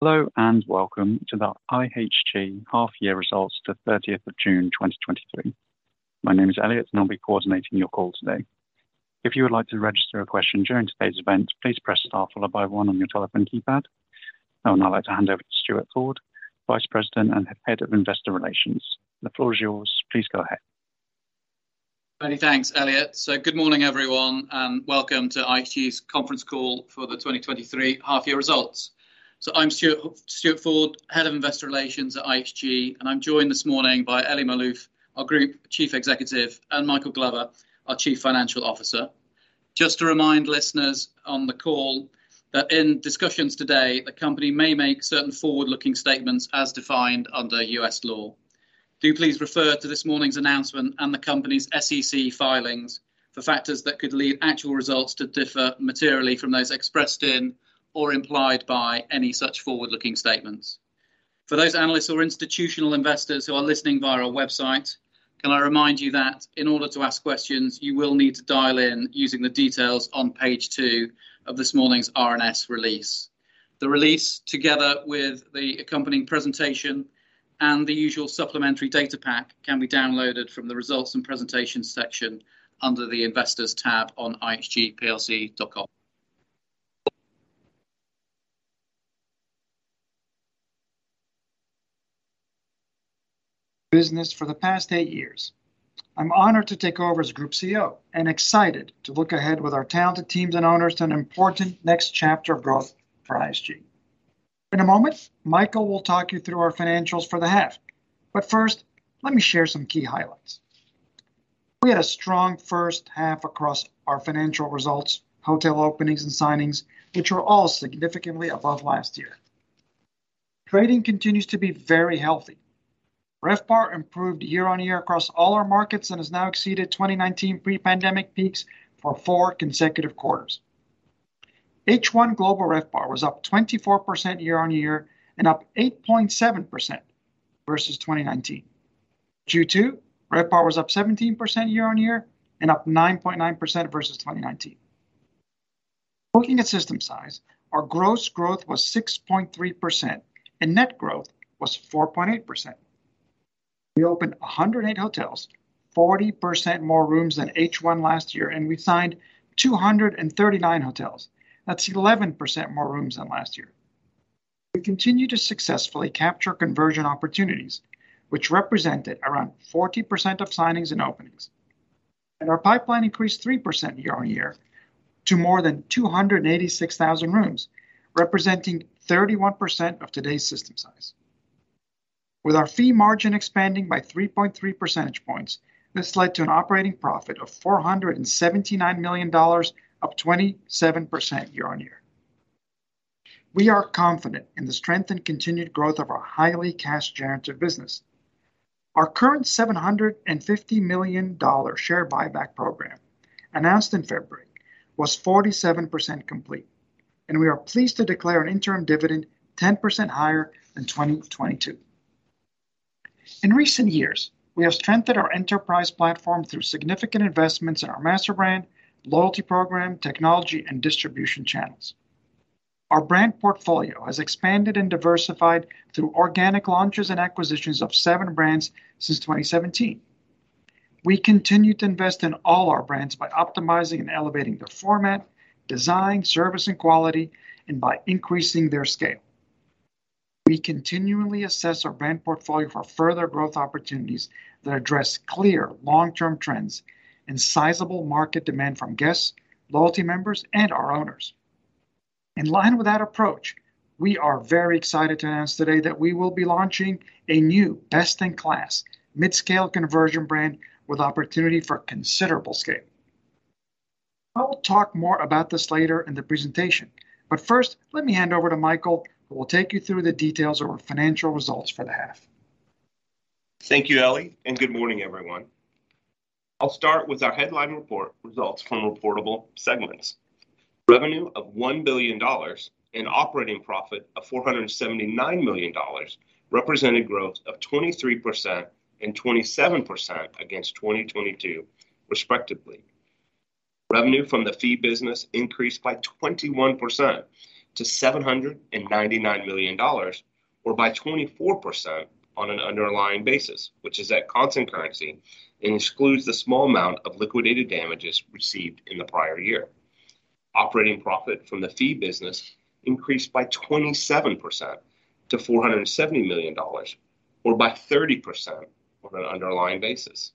Hello. Welcome to the IHG half year results to thirtieth of June, twenty twenty-three. My name is Elliot. I'll be coordinating your call today. If you would like to register a question during today's event, please press Star followed by one on your telephone keypad. I would now like to hand over to Stuart Ford, Vice President and Head of Investor Relations. The floor is yours. Please go ahead. Many thanks, Elliot. Good morning, everyone, and welcome to IHG's conference call for the 2023 half year results. I'm Stuart, Stuart Ford, Head of Investor Relations at IHG, and I'm joined this morning by Elie Maalouf, our Group Chief Executive, and Michael Glover, our Chief Financial Officer. Just to remind listeners on the call that in discussions today, the company may make certain forward-looking statements as defined under U.S. law. Please refer to this morning's announcement and the company's SEC filings for factors that could lead actual results to differ materially from those expressed in or implied by any such forward-looking statements. For those analysts or institutional investors who are listening via our website, can I remind you that in order to ask questions, you will need to dial in using the details on page 2 of this morning's RNS release. The release, together with the accompanying presentation and the usual supplementary data pack, can be downloaded from the Results and presentations section under the Investors tab on ihgplc.com. Business for the past eight years. I'm honored to take over as Group CEO and excited to look ahead with our talented teams and owners to an important next chapter of growth for IHG. In a moment, Michael will talk you through our financials for the half. First, let me share some key highlights. We had a strong first half across our financial results, hotel openings and signings, which were all significantly above last year. Trading continues to be very healthy. RevPAR improved year-on-year across all our markets and has now exceeded 2019 pre-pandemic peaks for 4 consecutive quarters. H1 global RevPAR was up 24% year-on-year and up 8.7% versus 2019. Q2 RevPAR was up 17% year-on-year and up 9.9% versus 2019. Looking at system size, our gross growth was 6.3%, and net growth was 4.8%. We opened 108 hotels, 40% more rooms than H1 last year, and we signed 239 hotels. That's 11% more rooms than last year. We continue to successfully capture conversion opportunities, which represented around 40% of signings and openings, and our pipeline increased 3% year-on-year to more than 286,000 rooms, representing 31% of today's system size. With our fee margin expanding by 3.3 percentage points, this led to an operating profit of $479 million, up 27% year-on-year. We are confident in the strength and continued growth of our highly cash-generative business. Our current $750 million share buyback program, announced in February, was 47% complete. We are pleased to declare an interim dividend 10% higher than 2022. In recent years, we have strengthened our enterprise platform through significant investments in our master brand, loyalty program, technology, and distribution channels. Our brand portfolio has expanded and diversified through organic launches and acquisitions of 7 brands since 2017. We continue to invest in all our brands by optimizing and elevating their format, design, service, and quality, and by increasing their scale. We continually assess our brand portfolio for further growth opportunities that address clear long-term trends and sizable market demand from guests, loyalty members, and our owners. In line with that approach, we are very excited to announce today that we will be launching a new best-in-class, mid-scale conversion brand with opportunity for considerable scale. I will talk more about this later in the presentation, but first, let me hand over to Michael, who will take you through the details of our financial results for the half. Thank you, Elie. Good morning, everyone. I'll start with our headline report results from reportable segments. Revenue of $1 billion and operating profit of $479 million represented growth of 23% and 27% against 2022 respectively. Revenue from the fee business increased by 21% to $799 million or by 24% on an underlying basis, which is at constant currency and excludes the small amount of liquidated damages received in the prior year. Operating profit from the fee business increased by 27% to $470 million or by 30% on an underlying basis.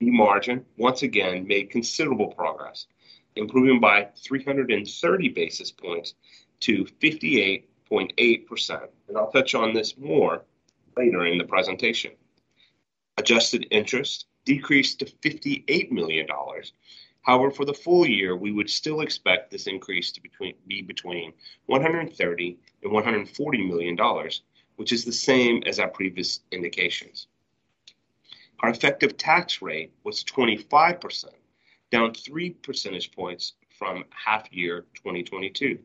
The margin once again made considerable progress, improving by 330 basis points to 58.8%. I'll touch on this more later in the presentation. Adjusted interest decreased to $58 million. However, for the full year, we would still expect this increase to be between $130 million and $140 million, which is the same as our previous indications. Our effective tax rate was 25%, down 3 percentage points from half year 2022.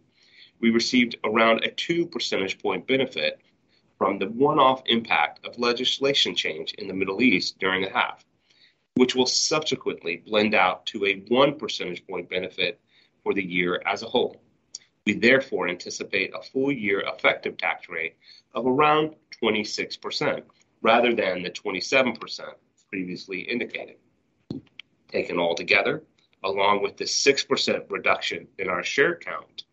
We received around a 2 percentage point benefit from the one-off impact of legislation change in the Middle East during the half. which will subsequently blend out to a 1 percentage point benefit for the year as a whole. We therefore anticipate a full year effective tax rate of around 26%, rather than the 27% previously indicated. Taken all together, along with the 6% reduction in our share count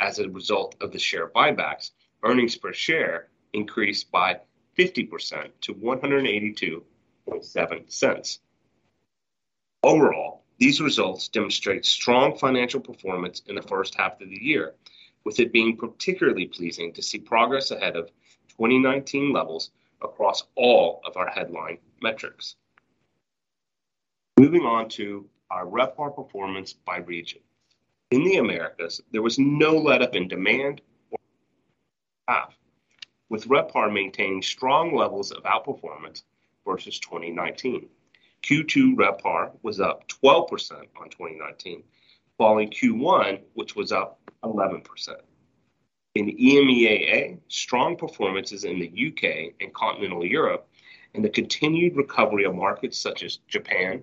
as a result of the share buybacks, earnings per share increased by 50% to $1.827. Overall, these results demonstrate strong financial performance in the first half of the year, with it being particularly pleasing to see progress ahead of 2019 levels across all of our headline metrics. Moving on to our RevPAR performance by region. In the Americas, there was no letup in demand or half, with RevPAR maintaining strong levels of outperformance versus 2019. Q2 RevPAR was up 12% on 2019, following Q1, which was up 11%. In EMEAA, strong performances in the UK and continental Europe, and the continued recovery of markets such as Japan,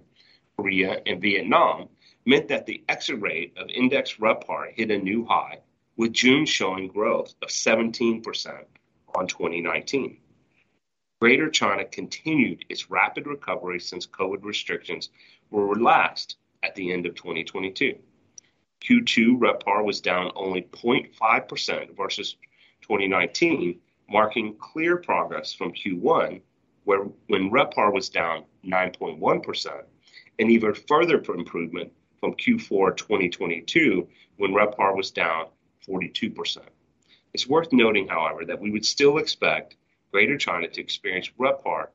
Korea, and Vietnam, meant that the exit rate of index RevPAR hit a new high, with June showing growth of 17% on 2019. Greater China continued its rapid recovery since COVID restrictions were relaxed at the end of 2022. Q2 RevPAR was down only 0.5% versus 2019, marking clear progress from Q1, when RevPAR was down 9.1%, Even further for improvement from Q4 2022, when RevPAR was down 42%. It's worth noting, however, that we would still expect Greater China to experience RevPAR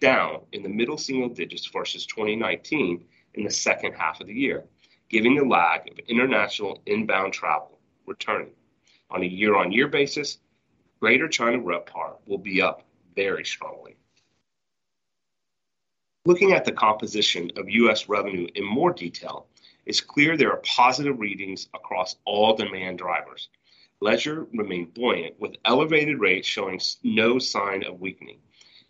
down in the middle single digits versus 2019 in the second half of the year, giving a lag of international inbound travel returning. On a year-on-year basis, Greater China RevPAR will be up very strongly. Looking at the composition of U.S. revenue in more detail, it's clear there are positive readings across all demand drivers. Leisure remained buoyant, with elevated rates showing no sign of weakening.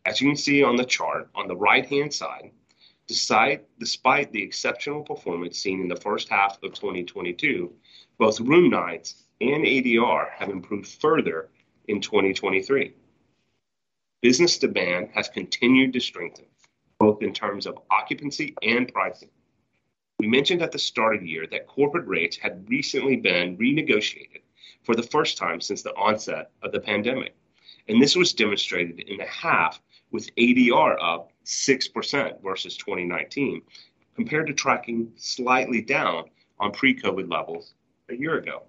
As you can see on the chart on the right-hand side, despite the exceptional performance seen in the first half of 2022, both room nights and ADR have improved further in 2023. Business demand has continued to strengthen, both in terms of occupancy and pricing. We mentioned at the start of the year that corporate rates had recently been renegotiated for the first time since the onset of the pandemic, and this was demonstrated in a half, with ADR up 6% versus 2019, compared to tracking slightly down on pre-COVID levels a year ago.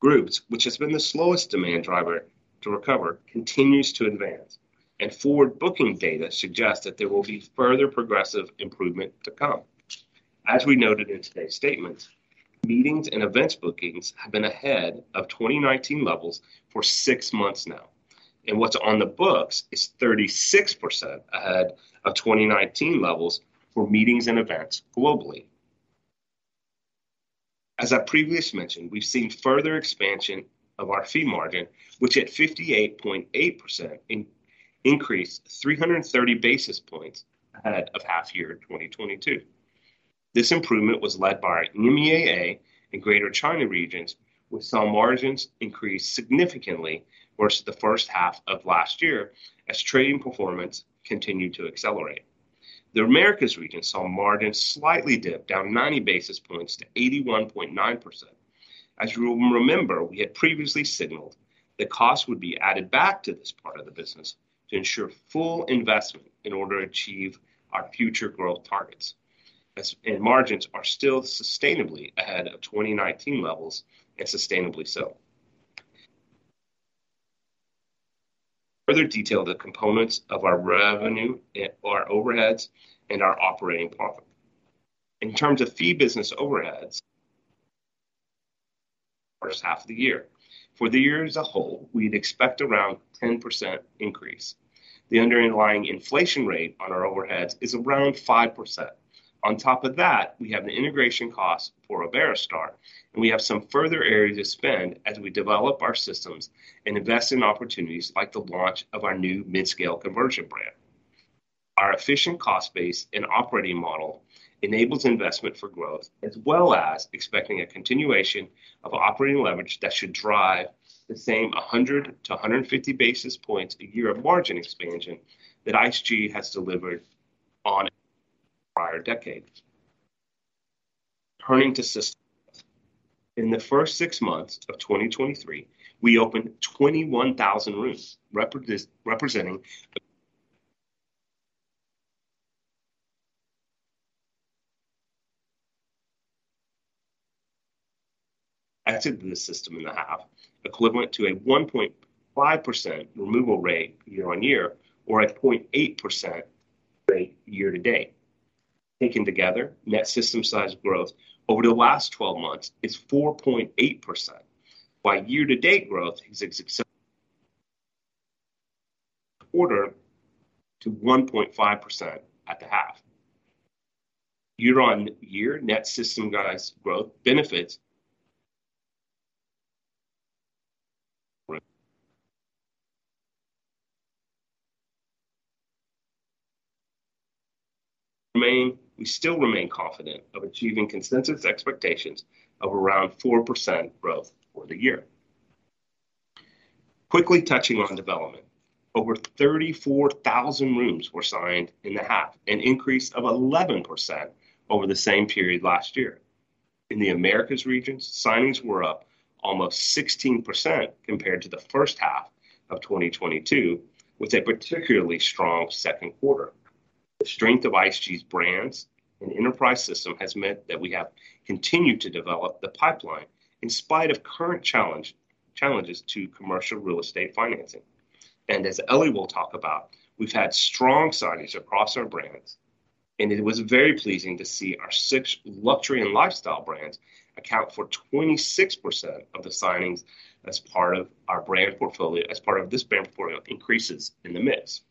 Groups, which has been the slowest demand driver to recover, continues to advance, and forward booking data suggests that there will be further progressive improvement to come. As we noted in today's statements, meetings and events bookings have been ahead of 2019 levels for 6 months now. What's on the books is 36% ahead of 2019 levels for meetings and events globally. As I previously mentioned, we've seen further expansion of our fee margin, which at 58.8%, increased 330 basis points ahead of half year 2022. This improvement was led by EMEAA and Greater China regions, which saw margins increase significantly versus the first half of last year, as trading performance continued to accelerate. The Americas region saw margins slightly dip down 90 basis points to 81.9%. As you will remember, we had previously signaled that costs would be added back to this part of the business to ensure full investment in order to achieve our future growth targets. Margins are still sustainably ahead of 2019 levels, and sustainably so. Further detail, the components of our revenue and our overheads and our operating profit. In terms of fee business overheads, first half of the year. For the year as a whole, we'd expect around 10% increase. The underlying inflation rate on our overheads is around 5%. On top of that, we have an integration cost for Iberostar, and we have some further areas to spend as we develop our systems and invest in opportunities like the launch of our new mid-scale conversion brand. Our efficient cost base and operating model enables investment for growth, as well as expecting a continuation of operating leverage that should drive the same 100-150 basis points a year of margin expansion that IHG has delivered on prior decades. Turning to system. In the first 6 months of 2023, we opened 21,000 rooms, representing exit the system in the half, equivalent to a 1.5% removal rate year-on-year, or a 0.8% rate year-to-date. Taken together, net system size growth over the last 12 months is 4.8%, while year-to-date growth is exceptionally 1.5% at the half. Year-on-year, net system growth Remain, we still remain confident of achieving consensus expectations of around 4% growth for the year. Quickly touching on development. Over 34,000 rooms were signed in the half, an increase of 11% over the same period last year. In the Americas regions, signings were up almost 16% compared to the first half of 2022, with a particularly strong second quarter. The strength of IHG's brands and enterprise system has meant that we have continued to develop the pipeline in spite of current challenge, challenges to commercial real estate financing. As Ellie will talk about, we've had strong signings across our brands, and it was very pleasing to see our 6 luxury and lifestyle brands account for 26% of the signings as part of our brand portfolio-- as part of this brand portfolio increases in the mix.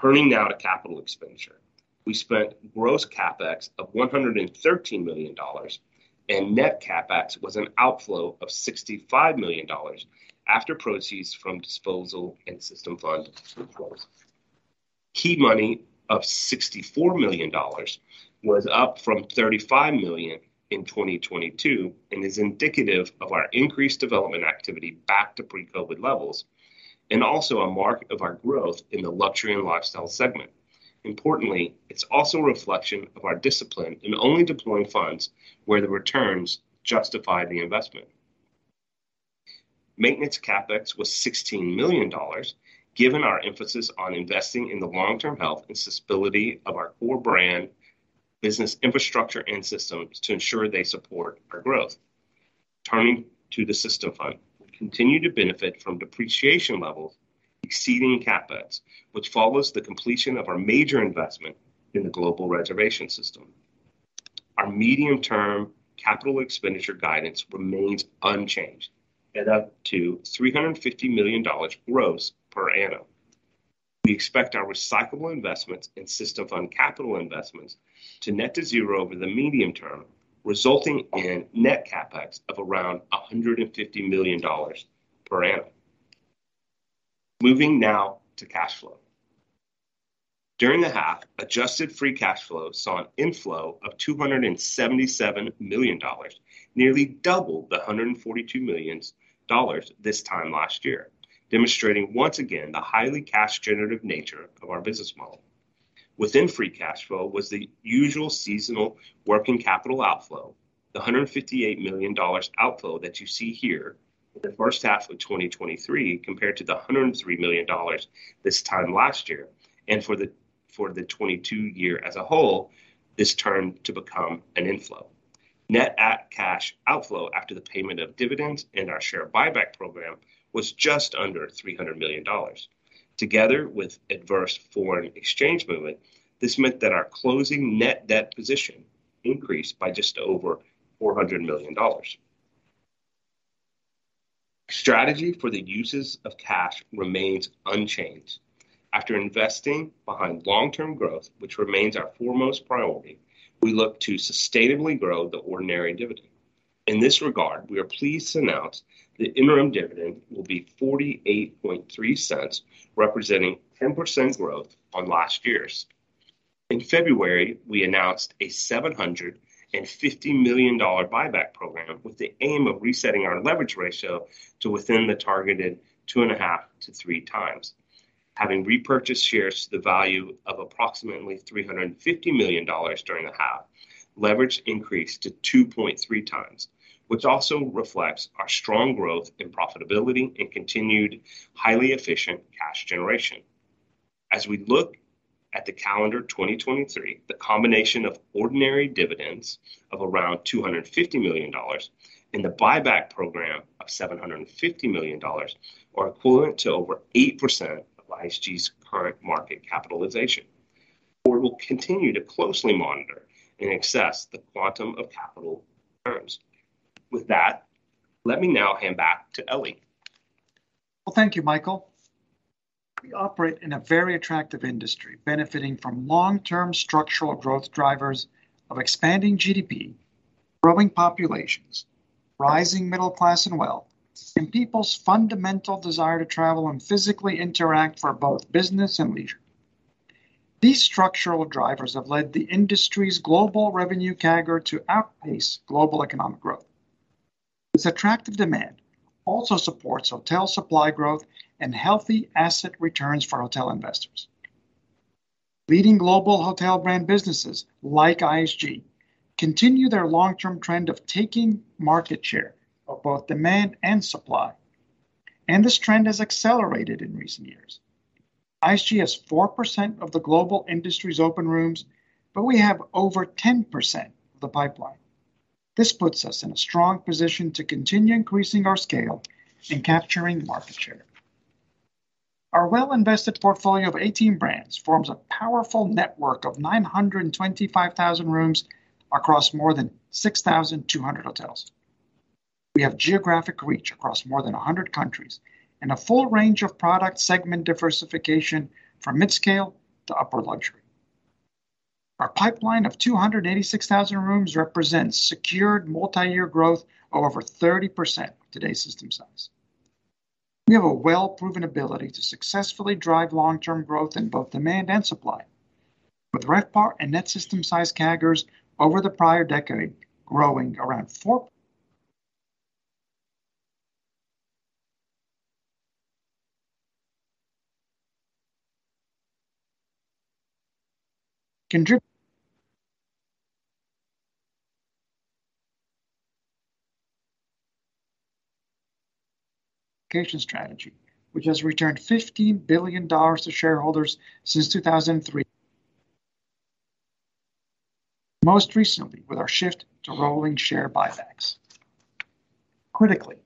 Turning now to capital expenditure. We spent gross CapEx of $113 million, and net CapEx was an outflow of $65 million after proceeds from disposal and system fund controls. Key money of $64 million was up from $35 million in 2022, and is indicative of our increased development activity back to pre-COVID levels, and also a mark of our growth in the luxury and lifestyle brands segment. Importantly, it's also a reflection of our discipline in only deploying funds where the returns justify the investment. Maintenance CapEx was $16 million, given our emphasis on investing in the long-term health and sustainability of our core brand business infrastructure and systems to ensure they support our growth. Turning to the system fund, we continue to benefit from depreciation levels exceeding CapEx, which follows the completion of our major investment in the global reservation system. Our medium-term capital expenditure guidance remains unchanged, at up to $350 million gross per annum. We expect our recyclable investments and system fund capital investments to net to zero over the medium term, resulting in net CapEx of around $150 million per annum. Moving now to cash flow. During the half, adjusted free cash flow saw an inflow of $277 million, nearly double the $142 million this time last year, demonstrating once again the highly cash generative nature of our business model. Within free cash flow was the usual seasonal working capital outflow, the $158 million outflow that you see here, in the first half of 2023, compared to the $103 million this time last year, and for the 2022 year as a whole, this turned to become an inflow. Net at cash outflow after the payment of dividends and our share buybacks was just under $300 million. Together with adverse foreign exchange movement, this meant that our closing net debt position increased by just over $400 million. Strategy for the uses of cash remains unchanged. After investing behind long-term growth, which remains our foremost priority, we look to sustainably grow the ordinary dividend. In this regard, we are pleased to announce the interim dividend will be $0.483, representing 10% growth on last year's. In February, we announced a $750 million buyback program with the aim of resetting our leverage ratio to within the targeted 2.5-3 times. Having repurchased shares to the value of approximately $350 million during the half, leverage increased to 2.3 times, which also reflects our strong growth in profitability and continued highly efficient cash generation. As we look at the calendar 2023, the combination of ordinary dividends of around $250 million, and the buyback program of $750 million, are equivalent to over 8% of IHG's current market capitalization. We will continue to closely monitor and assess the quantum of capital terms. With that, let me now hand back to Ellie. Well, thank you, Michael. We operate in a very attractive industry, benefiting from long-term structural growth drivers of expanding GDP, growing populations, rising middle class and wealth, and people's fundamental desire to travel and physically interact for both business and leisure. These structural drivers have led the industry's global revenue CAGR to outpace global economic growth. This attractive demand also supports hotel supply growth and healthy asset returns for hotel investors. Leading global hotel brand businesses, like IHG, continue their long-term trend of taking market share of both demand and supply, and this trend has accelerated in recent years. IHG has 4% of the global industry's open rooms, but we have over 10% of the pipeline. This puts us in a strong position to continue increasing our scale and capturing market share. Our well-invested portfolio of 18 brands forms a powerful network of 925,000 rooms across more than 6,200 hotels. We have geographic reach across more than 100 countries and a full range of product segment diversification from mid-scale to upper luxury. Our pipeline of 286,000 rooms represents secured multi-year growth of over 30% of today's system size. We have a well-proven ability to successfully drive long-term growth in both demand and supply, with RevPAR and net system size CAGRs over the prior decade, growing around 4. Location strategy, which has returned $15 billion to shareholders since 2003. Most recently, with our shift to rolling share buybacks. Critically,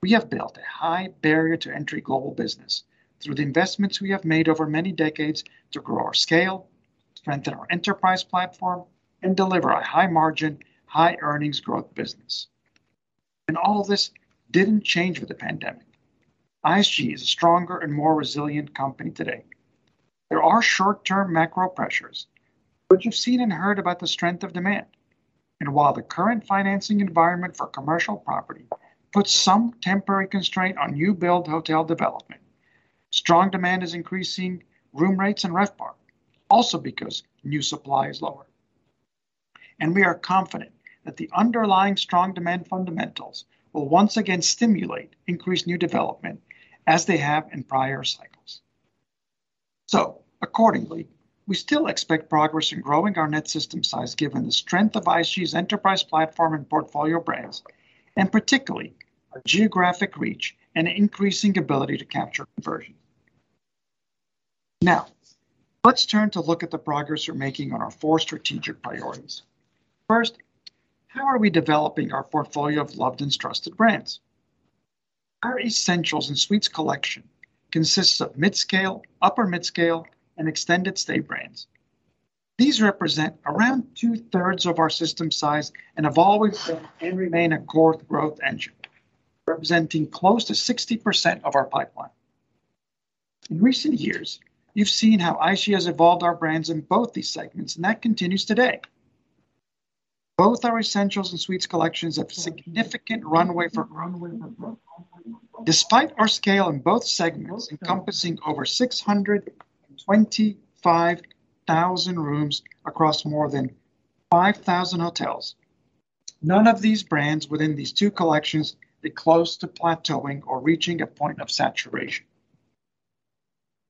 we have built a high barrier to entry global business through the investments we have made over many decades to grow our scale, strengthen our enterprise platform, and deliver a high margin, high earnings growth business. All of this didn't change with the pandemic. IHG is a stronger and more resilient company today. There are short-term macro pressures, you've seen and heard about the strength of demand. While the current financing environment for commercial property puts some temporary constraint on new build hotel development, strong demand is increasing room rates and RevPAR, also because new supply is lower. We are confident that the underlying strong demand fundamentals will once again stimulate increased new development as they have in prior cycles. Accordingly, we still expect progress in growing our net system size, given the strength of IHG's enterprise platform and brand portfolio, and particularly our geographic reach and increasing ability to capture conversion. Let's turn to look at the progress we're making on our four strategic priorities. First, how are we developing our brand portfolio of loved and trusted brands? Our Essentials and Suites collection consists of midscale, upper midscale, and extended stay brands. These represent around two-thirds of our system size and have always been, and remain a core growth engine, representing close to 60% of our pipeline. In recent years, you've seen how IHG has evolved our brands in both these segments, that continues today. Both our Essentials and Suites collections have significant runway. Despite our scale in both segments, encompassing over 625,000 rooms across more than 5,000 hotels, none of these brands within these two collections are close to plateauing or reaching a point of saturation.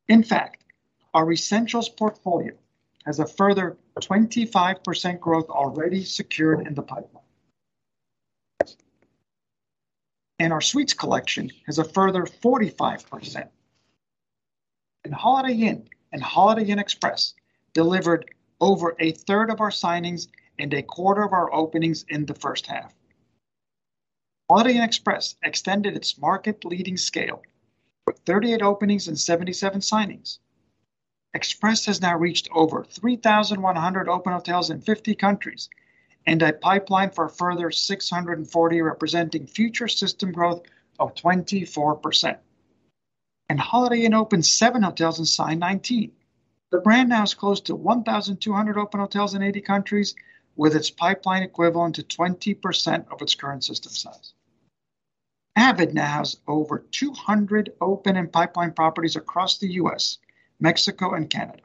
In fact, our Essentials portfolio has a further 25% growth already secured in the pipeline. Our Suites collection has a further 45%. Holiday Inn and Holiday Inn Express delivered over 1/3 of our signings and 1/4 of our openings in H1. Holiday Inn Express extended its market-leading scale, with 38 openings and 77 signings. Express has now reached over 3,100 open hotels in 50 countries, and a pipeline for a further 640, representing future system growth of 24%. Holiday Inn opened 7 hotels and signed 19. The brand now is close to 1,200 open hotels in 80 countries, with its pipeline equivalent to 20% of its current system size. Avid now has over 200 open and pipeline properties across the U.S., Mexico and Canada.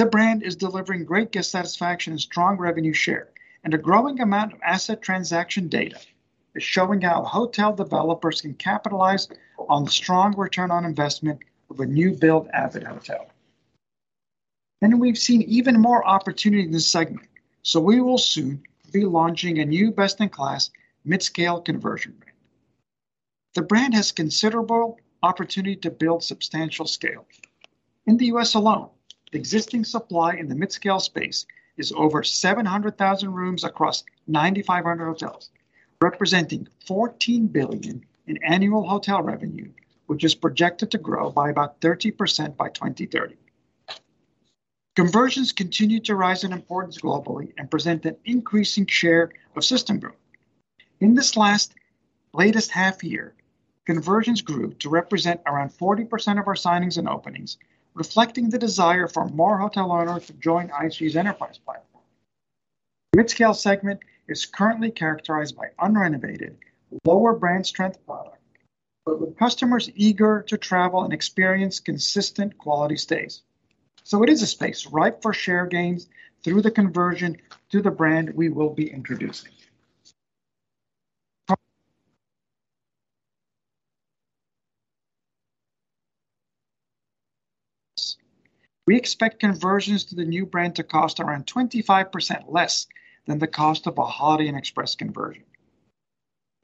The brand is delivering great guest satisfaction and strong revenue share, a growing amount of asset transaction data is showing how hotel developers can capitalize on the strong ROI of a new build Avid Hotel. We've seen even more opportunity in this segment, so we will soon be launching a new best-in-class midscale conversion brand. The brand has considerable opportunity to build substantial scale. In the U.S. alone, the existing supply in the midscale space is over 700,000 rooms across 9,500 hotels, representing $14 billion in annual hotel revenue, which is projected to grow by about 30% by 2030. Conversions continue to rise in importance globally and present an increasing share of system growth. In this last latest half year, conversions grew to represent around 40% of our signings and openings, reflecting the desire for more hotel owners to join IHG's enterprise platform. Midscale segment is currently characterized by unrenovated, lower brand strength product, but with customers eager to travel and experience consistent quality stays. It is a space ripe for share gains through the conversion to the brand we will be introducing. We expect conversions to the new brand to cost around 25% less than the cost of a Holiday Inn Express conversion.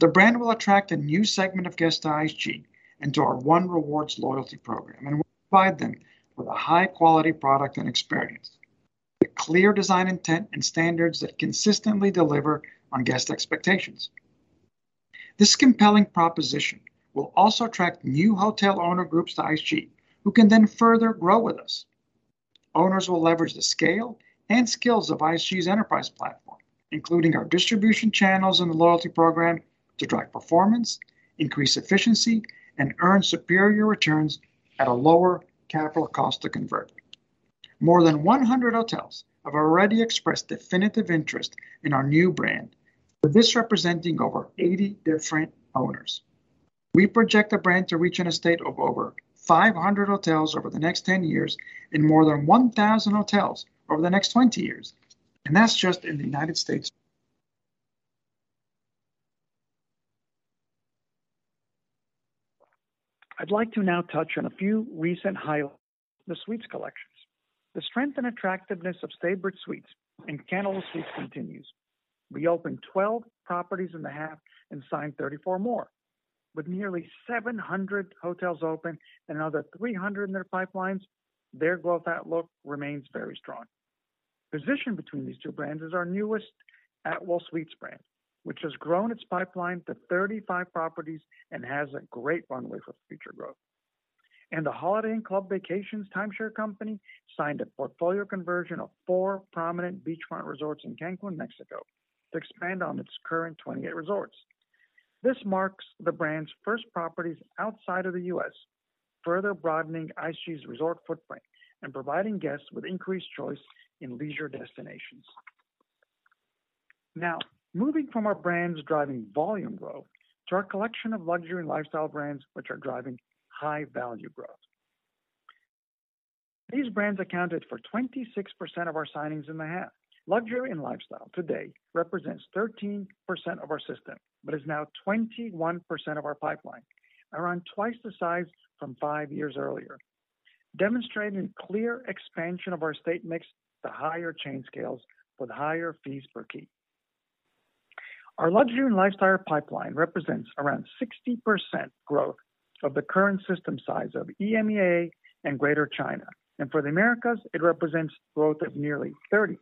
The brand will attract a new segment of guests to IHG into our One Rewards loyalty program, will provide them with a high-quality product and experience, with clear design intent, and standards that consistently deliver on guest expectations. This compelling proposition will also attract new hotel owner groups to IHG, who can then further grow with us. Owners will leverage the scale and skills of IHG's enterprise platform. including our distribution channels and the loyalty program to drive performance, increase efficiency, and earn superior returns at a lower capital cost to convert. More than 100 hotels have already expressed definitive interest in our new brand, with this representing over 80 different owners. We project the brand to reach in a state of over 500 hotels over the next 10 years and more than 1,000 hotels over the next 20 years, and that's just in the United States. I'd like to now touch on a few recent highlights, the Suites Collections. The strength and attractiveness of Staybridge Suites and Candlewood Suites continues. We opened 12 properties in the half and signed 34 more. With nearly 700 hotels open and another 300 in their pipelines, their growth outlook remains very strong. Positioned between these two brands is our newest Atwell Suites brand, which has grown its pipeline to 35 properties and has a great runway for future growth. The Holiday Inn Club Vacations timeshare company signed a portfolio conversion of 4 prominent beachfront resorts in Cancun, Mexico, to expand on its current 28 resorts. This marks the brand's first properties outside of the U.S., further broadening IHG's resort footprint and providing guests with increased choice in leisure destinations. Now, moving from our brands driving volume growth to our collection of luxury and lifestyle brands, which are driving high value growth. These brands accounted for 26% of our signings in the half. Luxury and lifestyle today represents 13% of our system, but is now 21% of our pipeline, around twice the size from five years earlier, demonstrating clear expansion of our state mix to higher chain scales with higher fees per key. Our luxury and lifestyle pipeline represents around 60% growth of the current system size of EMEAA and Greater China, and for the Americas, it represents growth of nearly 30%.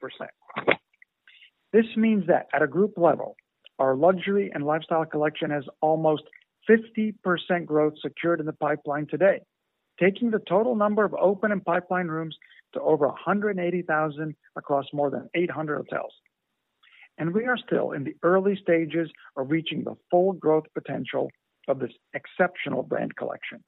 This means that at a group level, our luxury and lifestyle collection has almost 50% growth secured in the pipeline today, taking the total number of open and pipeline rooms to over 180,000 across more than 800 hotels. We are still in the early stages of reaching the full growth potential of this exceptional brand collection.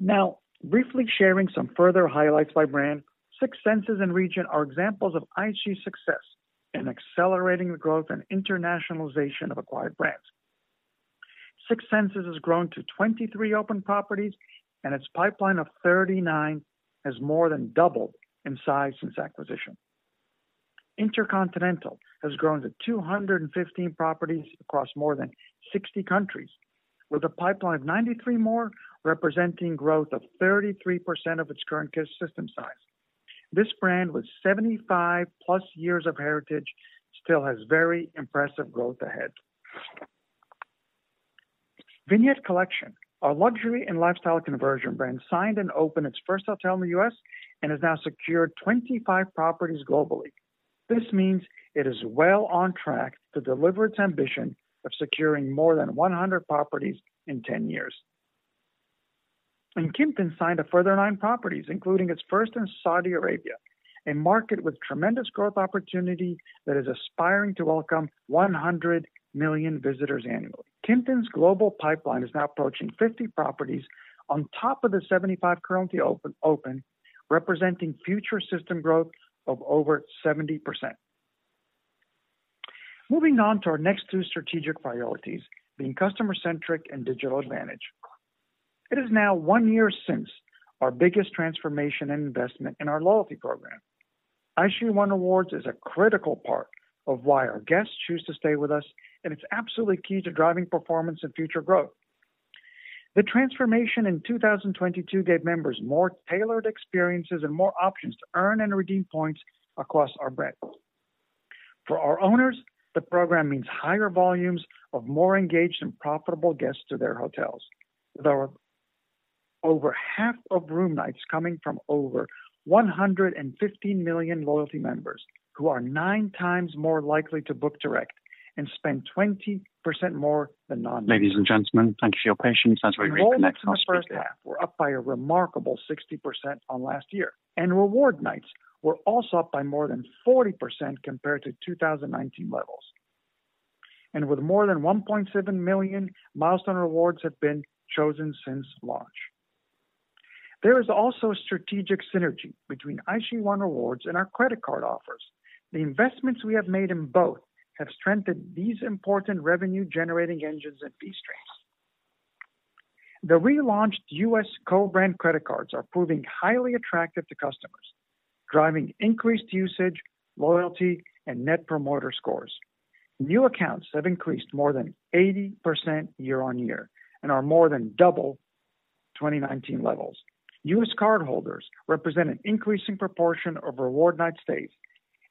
Now, briefly sharing some further highlights by brand. Six Senses and Regent are examples of IHG success in accelerating the growth and internationalization of acquired brands. Six Senses has grown to 23 open properties, and its pipeline of 39 has more than doubled in size since acquisition. InterContinental has grown to 215 properties across more than 60 countries, with a pipeline of 93 more, representing growth of 33% of its current system size. This brand, with 75+ years of heritage, still has very impressive growth ahead. Vignette Collection, our luxury and lifestyle conversion brand, signed and opened its first hotel in the U.S. and has now secured 25 properties globally. This means it is well on track to deliver its ambition of securing more than 100 properties in 10 years. Kimpton signed a further nine properties, including its first in Saudi Arabia, a market with tremendous growth opportunity that is aspiring to welcome 100 million visitors annually. Kimpton's global pipeline is now approaching 50 properties on top of the 75 currently open, representing future system growth of over 70%. Moving on to our next two strategic priorities, being customer centric and digital advantage. It is now one year since our biggest transformation and investment in our loyalty program. IHG One Rewards is a critical part of why our guests choose to stay with us, and it's absolutely key to driving performance and future growth. The transformation in 2022 gave members more tailored experiences and more options to earn and redeem points across our brand. For our owners, the program means higher volumes of more engaged and profitable guests to their hotels. With over half of room nights coming from over 115 million loyalty members, who are 9 times more likely to book direct and spend 20% more than non- Ladies and gentlemen, thank you for your patience as we reconnect our speaker. Enrollments in the first half were up by a remarkable 60% on last year. Reward nights were also up by more than 40% compared to 2019 levels. With more than 1.7 million milestone rewards have been chosen since launch, there is also a strategic synergy between IHG One Rewards and our credit card offers. The investments we have made in both have strengthened these important revenue-generating engines and fee streams. The relaunched U.S. co-brand credit cards are proving highly attractive to customers, driving increased usage, loyalty, and net promoter scores. New accounts have increased more than 80% year-on-year and are more than double 2019 levels. U.S. cardholders represent an increasing proportion of reward night stays.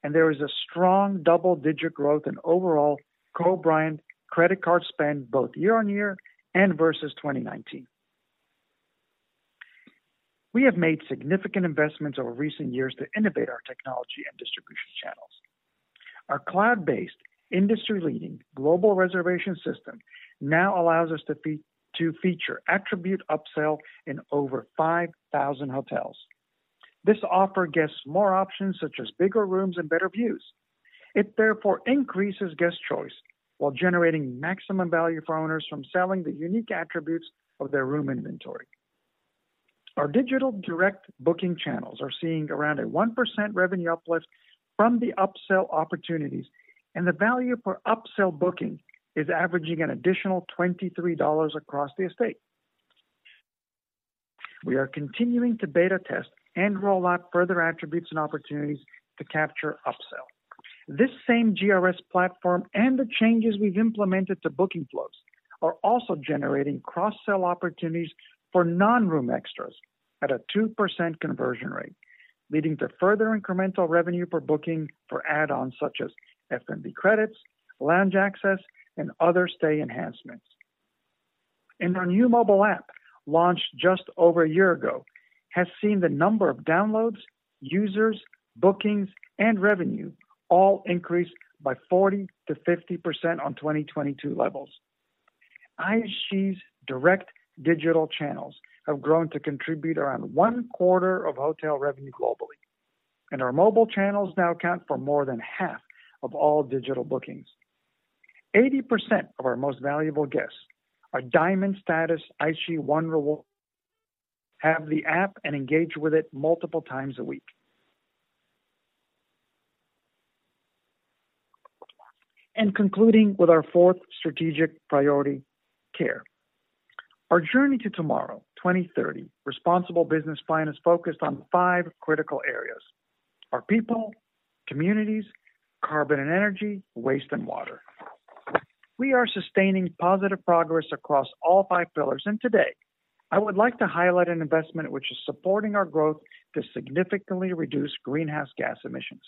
There is a strong double-digit growth in overall co-brand credit card spend, both year-on-year and versus 2019. We have made significant investments over recent years to innovate our technology. Our cloud-based, industry-leading, global reservation system now allows us to feature attribute upsell in over 5,000 hotels. This offer gives more options, such as bigger rooms and better views. It therefore increases guest choice while generating maximum value for owners from selling the unique attributes of their room inventory. Our digital direct booking channels are seeing around a 1% revenue uplift from the upsell opportunities, and the value per upsell booking is averaging an additional $23 across the estate. We are continuing to beta test and roll out further attributes and opportunities to capture upsell. This same GRS platform and the changes we've implemented to booking flows are also generating cross-sell opportunities for non-room extras at a 2% conversion rate, leading to further incremental revenue per booking for add-ons such as F&B credits, lounge access, and other stay enhancements. Our new mobile app, launched just over a year ago, has seen the number of downloads, users, bookings, and revenue all increase by 40%-50% on 2022 levels. IHG's direct digital channels have grown to contribute around one quarter of hotel revenue globally, and our mobile channels now account for more than half of all digital bookings. 80% of our most valuable guests are diamond status IHG One Reward, have the app, and engage with it multiple times a week. Concluding with our fourth strategic priority, care. Our Journey to Tomorrow 2030 responsible business plan is focused on five critical areas: our people, communities, carbon and energy, waste and water. We are sustaining positive progress across all five pillars, and today, I would like to highlight an investment which is supporting our growth to significantly reduce greenhouse gas emissions.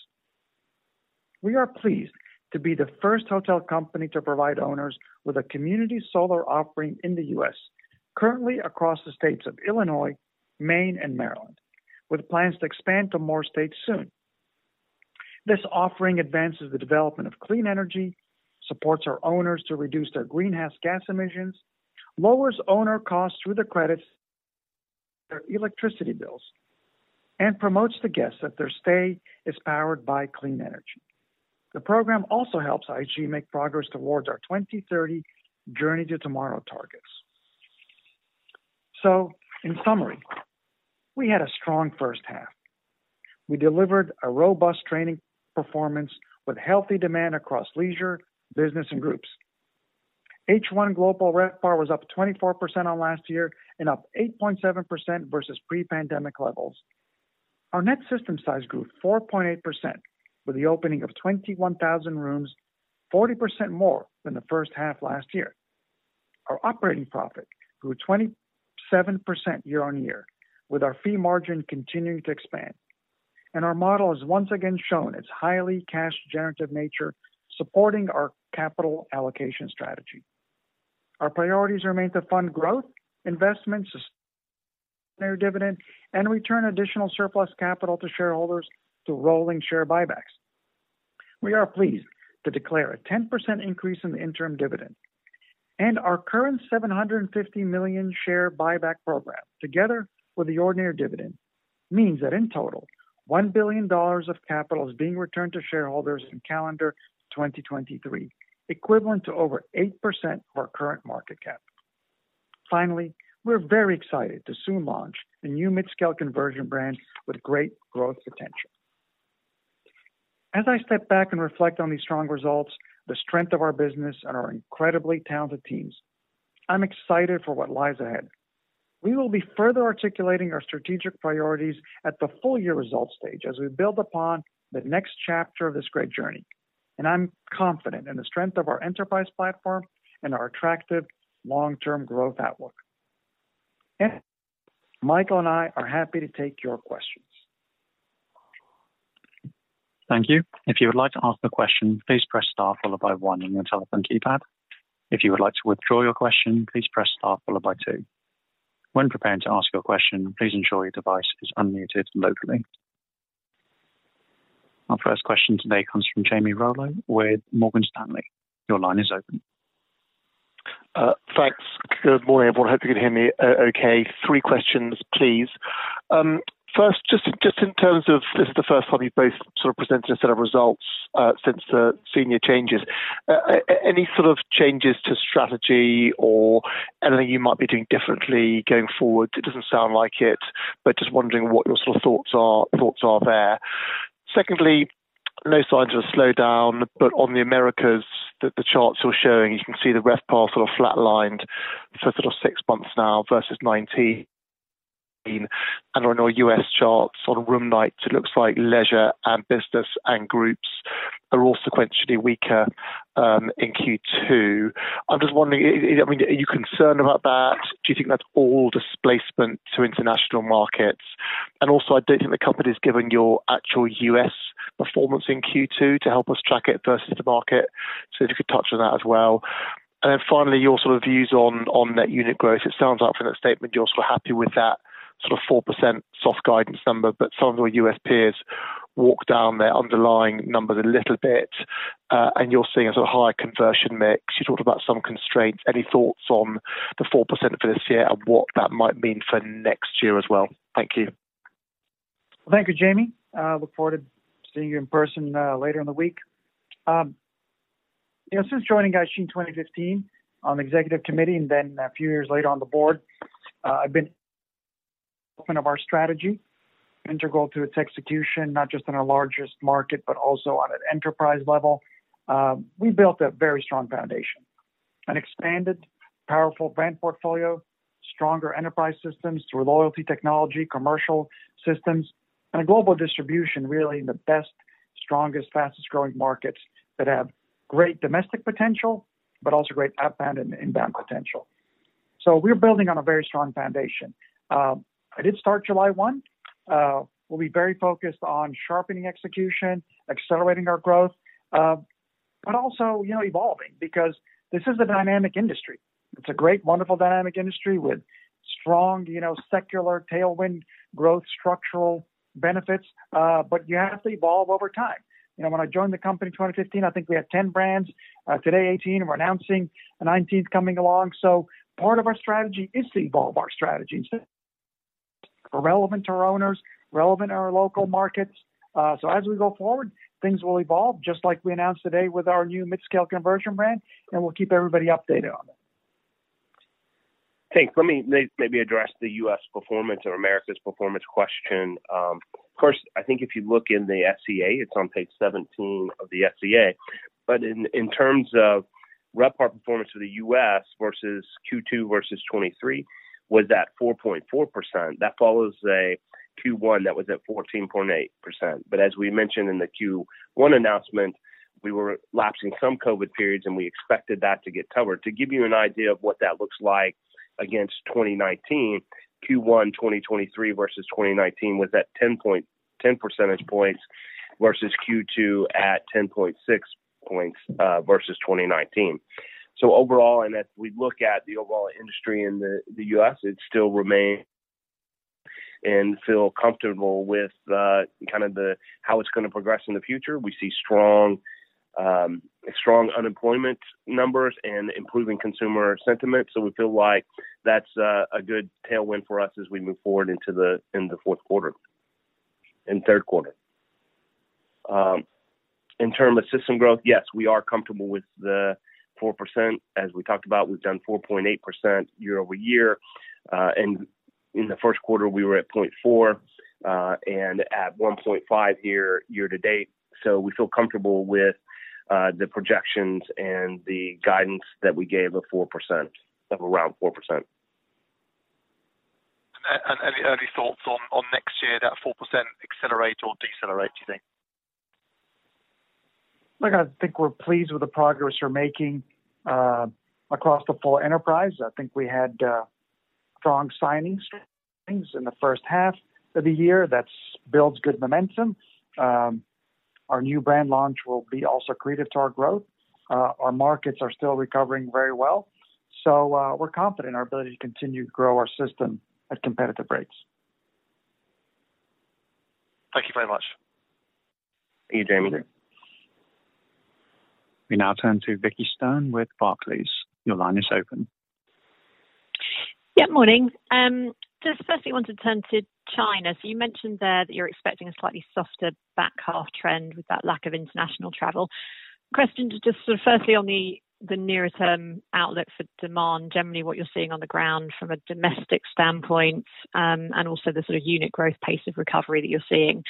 We are pleased to be the first hotel company to provide owners with a community solar offering in the U.S., currently across the states of Illinois, Maine, and Maryland, with plans to expand to more states soon. This offering advances the development of clean energy, supports our owners to reduce their greenhouse gas emissions, lowers owner costs through the credits, their electricity bills, and promotes the guests that their stay is powered by clean energy. The program also helps IHG make progress towards our 2030 Journey to Tomorrow targets. In summary, we had a strong first half. We delivered a robust training performance with healthy demand across leisure, business, and groups. H1 global RevPAR was up 24% on last year and up 8.7% versus pre-pandemic levels. Our net system size grew 4.8%, with the opening of 21,000 rooms, 40% more than the first half last year. Our operating profit grew 27% year-on-year, with our fee margin continuing to expand. Our model has once again shown its highly cash generative nature, supporting our capital allocation strategy. Our priorities remain to fund growth, investments, their dividend, and return additional surplus capital to shareholders through rolling share buybacks. We are pleased to declare a 10% increase in the interim dividend. Our current $750 million share buyback program, together with the ordinary dividend, means that in total, $1 billion of capital is being returned to shareholders in calendar 2023, equivalent to over 8% of our current market cap. Finally, we're very excited to soon launch a new mid-scale conversion brand with great growth potential. As I step back and reflect on these strong results, the strength of our business, and our incredibly talented teams, I'm excited for what lies ahead. We will be further articulating our strategic priorities at the full year results stage as we build upon the next chapter of this great journey. I'm confident in the strength of our enterprise platform and our attractive long-term growth outlook. Michael and I are happy to take your questions. Thank you. If you would like to ask a question, please press star followed by 1 on your telephone keypad. If you would like to withdraw your question, please press star followed by 2. When preparing to ask your question, please ensure your device is unmuted locally. Our first question today comes from Jamie Rollo with Morgan Stanley. Your line is open. Thanks. Good morning, everyone. Hope you can hear me okay. 3 questions, please. First, just in terms of this is the first time you've both sort of presented a set of results since the senior changes. Any sort of changes to strategy or anything you might be doing differently going forward? It doesn't sound like it, but just wondering what your sort of thoughts are there. Secondly, no signs of a slowdown, but on the Americas, the charts you're showing, you can see the RevPAR sort of flatlined for 6 months now versus 2019. On our U.S. charts on room nights, it looks like Leisure and Business and Groups are all sequentially weaker in Q2. I'm just wondering, I mean, are you concerned about that? Do you think that's all displacement to international markets? Also, I don't think the company's given your actual U.S. performance in Q2 to help us track it versus the market. If you could touch on that as well. Then finally, your sort of views on, on net unit growth. It sounds like from that statement, you're still happy with that sort of 4% soft guidance number, but some of your U.S. peers walked down their underlying numbers a little bit, and you're seeing a sort of higher conversion mix. You talked about some constraints. Any thoughts on the 4% for this year and what that might mean for next year as well? Thank you. Thank you, Jamie. Look forward to seeing you in person later in the week. You know, since joining IHG in 2015 on the executive committee and then a few years later on the board, I've been open of our strategy, integral to its execution, not just in our largest market, but also on an enterprise level. We built a very strong foundation, an expanded powerful brand portfolio, stronger enterprise systems through loyalty technology, commercial systems, and a global distribution, really in the best, strongest, fastest growing markets that have great domestic potential, but also great outbound and inbound potential. So we're building on a very strong foundation. I did start July 1. We'll be very focused on sharpening execution, accelerating our growth, but also, you know, evolving, because this is a dynamic industry. It's a great, wonderful dynamic industry with strong, you know, secular tailwind growth, structural benefits, but you have to evolve over time. You know, when I joined the company in 2015, I think we had 10 brands. Today, 18, and we're announcing a 19th coming along. Part of our strategy is to evolve our strategy. We're relevant to our owners, relevant to our local markets. As we go forward, things will evolve, just like we announced today with our new midscale conversion brand, and we'll keep everybody updated on it. Thanks. Let me maybe address the U.S. performance or Americas performance question. I think if you look in the FCA, it's on page 17 of the FCA. In terms of RevPAR performance of the U.S. versus Q2 versus 2023, was at 4.4%. That follows a Q1 that was at 14.8%. As we mentioned in the Q1 announcement, we were lapsing some COVID periods, and we expected that to get covered. To give you an idea of what that looks like against 2019, Q1, 2023 versus 2019 was at 10 percentage points, versus Q2 at 10.6 points, versus 2019. Overall, as we look at the overall industry in the U.S., it still remain and feel comfortable with kind of the how it's going to progress in the future. We see strong, strong unemployment numbers and improving consumer sentiment. We feel like that's a good tailwind for us as we move forward into the, in the fourth quarter and third quarter. In term of system growth, yes, we are comfortable with the 4%. As we talked about, we've done 4.8% year-over-year, and in the first quarter, we were at 0.4%, and at 1.5% year, year-to-date. We feel comfortable with the projections and the guidance that we gave of 4%, of around 4%. Any early thoughts on, on next year, that 4% accelerate or decelerate, do you think? Look, I think we're pleased with the progress we're making across the full enterprise. I think we had strong signings in the first half of the year. That builds good momentum. Our new brand launch will be also accretive to our growth. Our markets are still recovering very well. We're confident in our ability to continue to grow our system at competitive rates. Thank you very much. Thank you, Jamie. We now turn to Vicky Stone with Barclays. Your line is open. Yeah, morning. Firstly, wanted to turn to China. You mentioned there that you're expecting a slightly softer back half trend with that lack of international travel. Question just sort of firstly on the nearer term outlook for demand, generally, what you're seeing on the ground from a domestic standpoint, and also the sort of unit growth pace of recovery that you're seeing?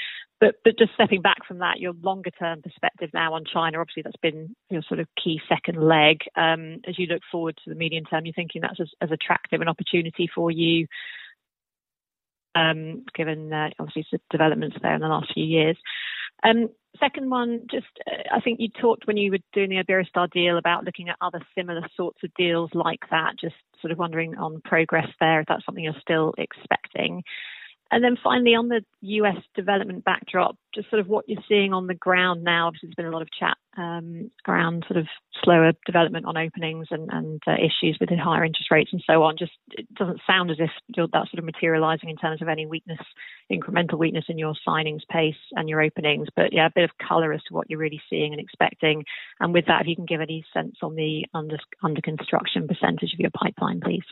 Just stepping back from that, your longer term perspective now on China, obviously, that's been your sort of key second leg. As you look forward to the medium term, you're thinking that's as attractive an opportunity for you, given, obviously, the developments there in the last few years? Second one, just, I think you talked when you were doing the Iberostar deal about looking at other similar sorts of deals like that. Just sort of wondering on progress there, if that's something you're still expecting. Finally, on the U.S. development backdrop, just sort of what you're seeing on the ground now, because there's been a lot of chat around sort of slower development on openings and issues with higher interest rates and so on. Just it doesn't sound as if that's sort of materializing in terms of any weakness, incremental weakness in your signings pace and your openings, but yeah, a bit of color as to what you're really seeing and expecting. With that, if you can give any sense on the under, under construction % of your pipeline, please.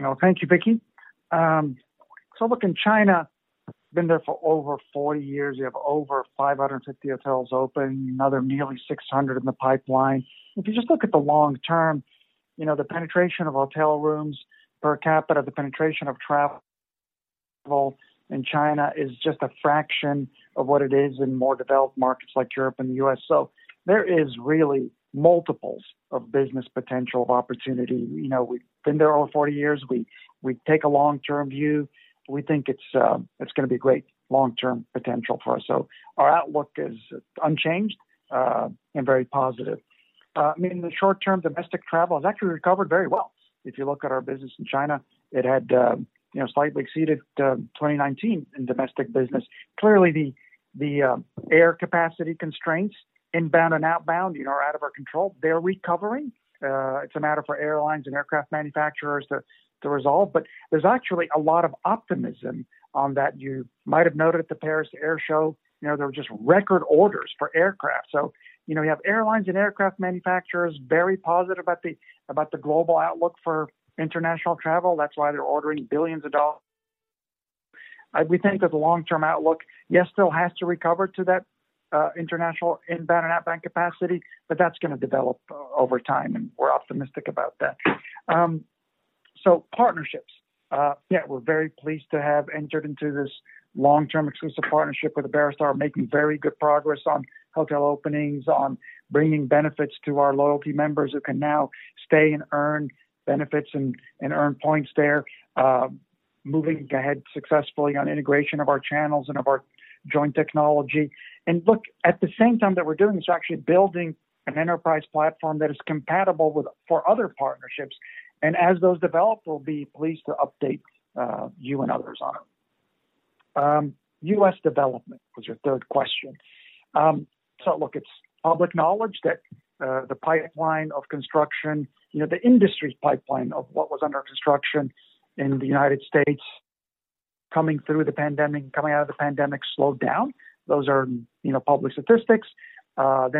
Well, thank you, Vicky. Look, in China, been there for over 40 years. We have over 550 hotels open, another nearly 600 in the pipeline. If you just look at the long-term, you know, the penetration of hotel rooms per capita, the penetration of travel in China is just a fraction of what it is in more developed markets like Europe and the U.S. There is really multiples of business potential of opportunity. You know, we've been there over 40 years. We, we take a long-term view. We think it's, it's gonna be a great long-term potential for us. Our outlook is unchanged and very positive. I mean, in the short-term, domestic travel has actually recovered very well. If you look at our business in China, it had, you know, slightly exceeded 2019 in domestic business. Clearly, the air capacity constraints, inbound and outbound, you know, are out of our control. They're recovering. It's a matter for airlines and aircraft manufacturers to resolve, but there's actually a lot of optimism on that. You might have noted at the Paris Air Show, you know, there were just record orders for aircraft. You know, you have airlines and aircraft manufacturers very positive about the, about the global outlook for international travel. That's why they're ordering billions of dollars. We think of the long-term outlook, yes, still has to recover to that international inbound and outbound capacity, but that's gonna develop over time, and we're optimistic about that. Partnerships. Yeah, we're very pleased to have entered into this long-term exclusive partnership with the Iberostar, making very good progress on hotel openings, on bringing benefits to our loyalty members who can now stay and earn benefits and, and earn points there. Moving ahead successfully on integration of our channels and of our joint technology. Look, at the same time that we're doing this, actually building an enterprise platform that is compatible for other partnerships, and as those develop, we'll be pleased to update you and others on them. U.S. development was your third question. Look, it's public knowledge that the pipeline of construction, you know, the industry's pipeline of what was under construction in the United States coming through the pandemic, coming out of the pandemic slowed down. Those are, you know, public statistics.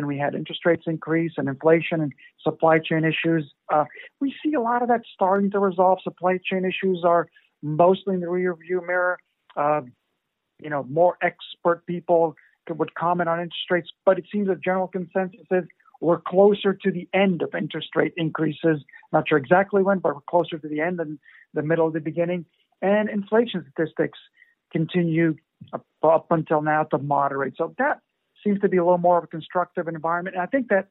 We had interest rates increase and inflation and supply chain issues. We see a lot of that starting to resolve. Supply chain issues are mostly in the rearview mirror. You know, more expert people would comment on interest rates, but it seems the general consensus is we're closer to the end of interest rate increases. Not sure exactly when, but we're closer to the end than the middle or the beginning. Inflation statistics continue, up, up until now, to moderate. That seems to be a little more of a constructive environment, and I think that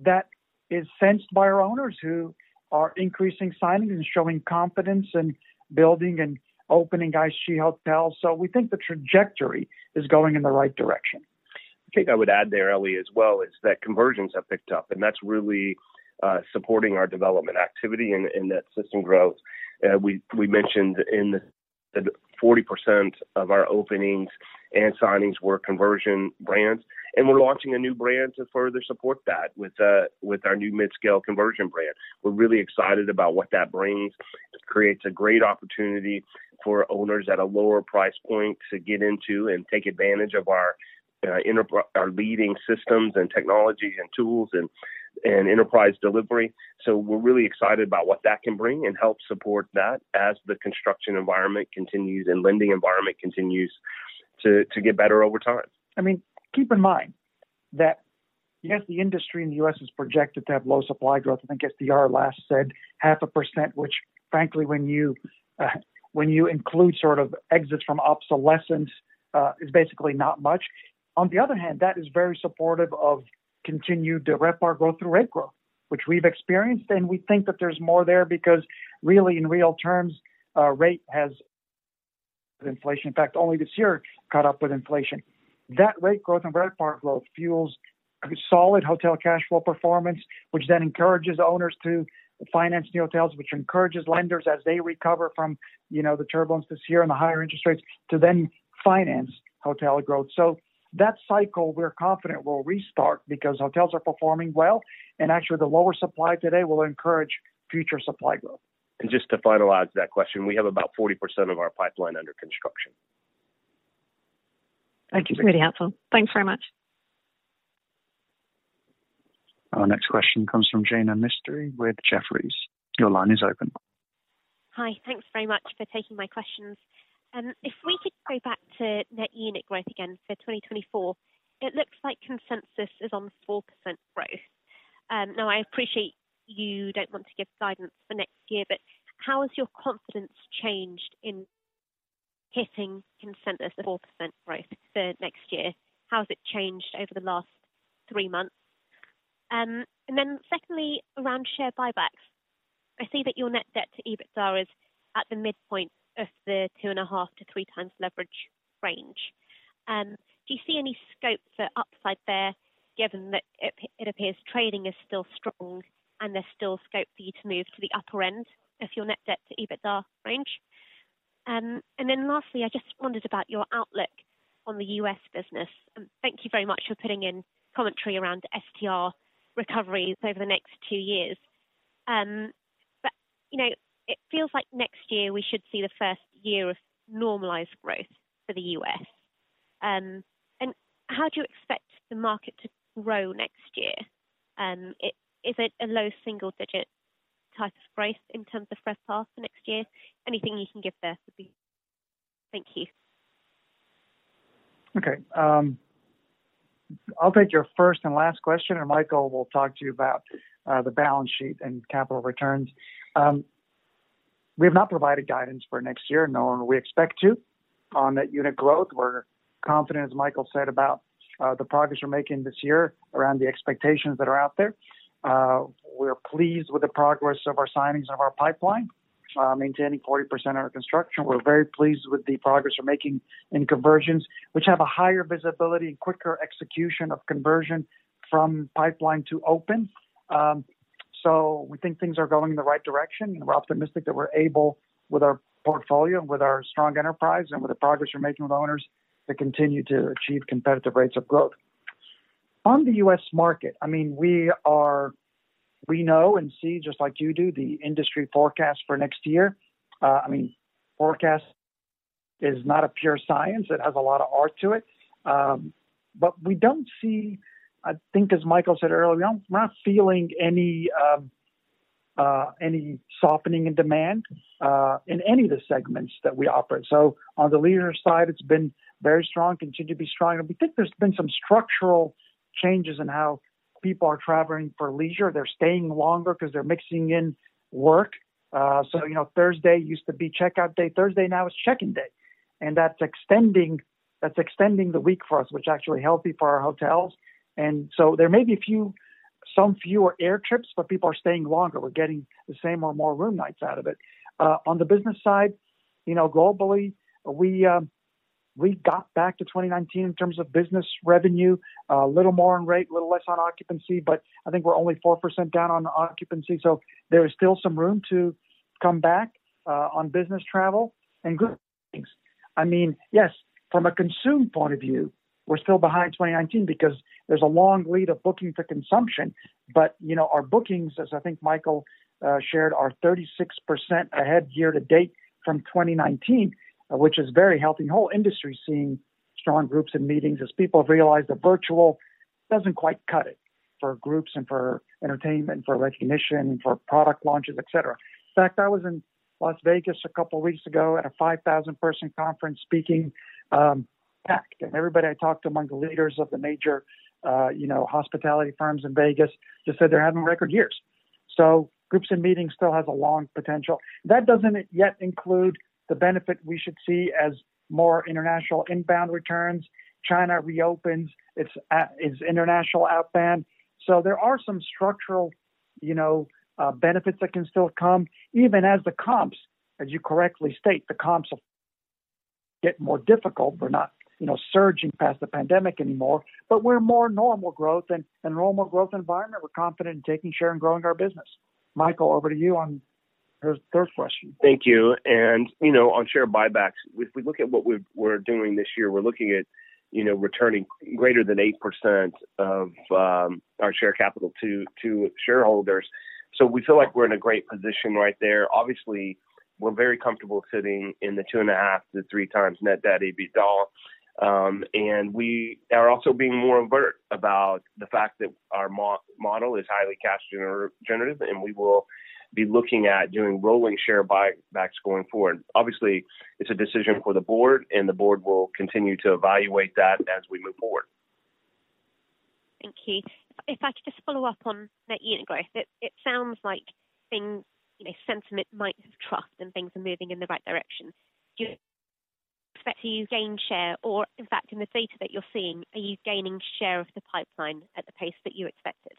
that is sensed by our owners, who are increasing signings and showing confidence in building and opening IHG hotels. We think the trajectory is going in the right direction. The thing I would add there, Ellie, as well, is that conversions have picked up, and that's really supporting our development activity in, in that system growth. We, we mentioned in the 40% of our openings and signings were conversion brands, and we're launching a new brand to further support that with our new mid-scale conversion brand. We're really excited about what that brings. It creates a great opportunity for owners at a lower price point to get into and take advantage of our leading systems and technologies and tools and, and enterprise delivery. We're really excited about what that can bring and help support that as the construction environment continues and lending environment continues to, to get better over time. I mean, keep in mind that, yes, the industry in the U.S. is projected to have low supply growth. I think SDR last said 0.5%, which frankly, when you, when you include sort of exits from obsolescence, is basically not much. On the other hand, that is very supportive of continued RevPAR growth through rate growth, which we've experienced, and we think that there's more there because really, in real terms, rate has inflation. In fact, only this year caught up with inflation. That rate growth and RevPAR growth fuels a solid hotel cash flow performance, which then encourages owners to finance new hotels, which encourages lenders as they recover from, you know, the turbulence this year and the higher interest rates to then finance hotel growth. That cycle, we're confident, will restart because hotels are performing well, and actually the lower supply today will encourage future supply growth. Just to finalize that question, we have about 40% of our pipeline under construction. Thank you. Really helpful. Thanks very much. Our next question comes from Jane Anthirsty with Jefferies. Your line is open. Hi. Thanks very much for taking my questions. If we could go back to net unit growth again for 2024, it looks like consensus is on 4% growth. Now, I appreciate you don't want to give guidance for next year, but how has your confidence changed in hitting consensus of 4% growth for next year? How has it changed over the last three months? Secondly, around share buybacks, I see that your net debt to EBITDA is at the midpoint of the 2.5-3x leverage range. Do you see any scope for upside there, given that it appears trading is still strong and there's still scope for you to move to the upper end of your net debt to EBITDA range? Lastly, I just wondered about your outlook on the U.S. business. Thank you very much for putting in commentary around STR recoveries over the next two years. you know, it feels like next year we should see the first year of normalized growth for the U.S. How do you expect the market to grow next year? Is it a low single-digit type of growth in terms of RevPAR for next year? Anything you can give there would be. Thank you. Okay, I'll take your first and last question, Michael will talk to you about the balance sheet and capital returns. We have not provided guidance for next year, nor do we expect to, on net unit growth. We're confident, as Michael said, about the progress we're making this year around the expectations that are out there. We're pleased with the progress of our signings of our pipeline, maintaining 40% of our construction. We're very pleased with the progress we're making in conversions, which have a higher visibility and quicker execution of conversion from pipeline to open. We think things are going in the right direction, and we're optimistic that we're able, with our portfolio, with our strong enterprise, and with the progress we're making with owners, to continue to achieve competitive rates of growth. On the U.S. market, I mean, we are we know and see, just like you do, the industry forecast for next year. I mean, forecast is not a pure science. It has a lot of art to it. We don't see, I think as Michael said earlier, we're, we're not feeling any softening in demand in any of the segments that we operate. On the Leisure side, it's been very strong, continue to be strong. We think there's been some structural changes in how people are traveling for Leisure. They're staying longer 'cause they're mixing in work. You know, Thursday used to be checkout day. Thursday now is check-in day, and that's extending, that's extending the week for us, which is actually healthy for our hotels. There may be some fewer air trips, but people are staying longer. We're getting the same or more room nights out of it. On the business side, you know, globally, we got back to 2019 in terms of business revenue, a little more on rate, a little less on occupancy, but I think we're only 4% down on the occupancy, so there is still some room to come back on business travel and Groups. I mean, yes, from a consume point of view, we're still behind 2019 because there's a long lead of booking for consumption. You know, our bookings, as I think Michael shared, are 36% ahead year to date from 2019, which is very healthy. The whole industry is seeing strong Groups and meetings as people have realized that virtual doesn't quite cut it for Groups and for entertainment, for recognition, for product launches, et cetera. In fact, I was in Las Vegas a couple of weeks ago at a 5,000 person conference speaking, packed, and everybody I talked to among the leaders of the major, you know, hospitality firms in Vegas, just said they're having record years. Groups and meetings still has a long potential. That doesn't yet include the benefit we should see as more international inbound returns. China reopens its, its international outbound. There are some structural, you know, benefits that can still come, even as the comps, as you correctly state, the comps will get more difficult. We're not, you know, surging past the pandemic anymore, but we're more normal growth. In a normal growth environment, we're confident in taking share and growing our business. Michael, over to you on the third question. Thank you. You know, on share buybacks, if we look at what we're doing this year, we're looking at, you know, returning greater than 8% of our share capital to shareholders. We feel like we're in a great position right there. Obviously, we're very comfortable sitting in the 2.5-3 times net debt EBITDA. We are also being more overt about the fact that our model is highly cash generative, and we will be looking at doing rolling share buybacks going forward. Obviously, it's a decision for the board, and the board will continue to evaluate that as we move forward. Thank you. If I could just follow up on net unit growth. It sounds like things, you know, sentiment might have trust and things are moving in the right direction. Do you expect to gain share, or in fact, in the data that you're seeing, are you gaining share of the pipeline at the pace that you expected?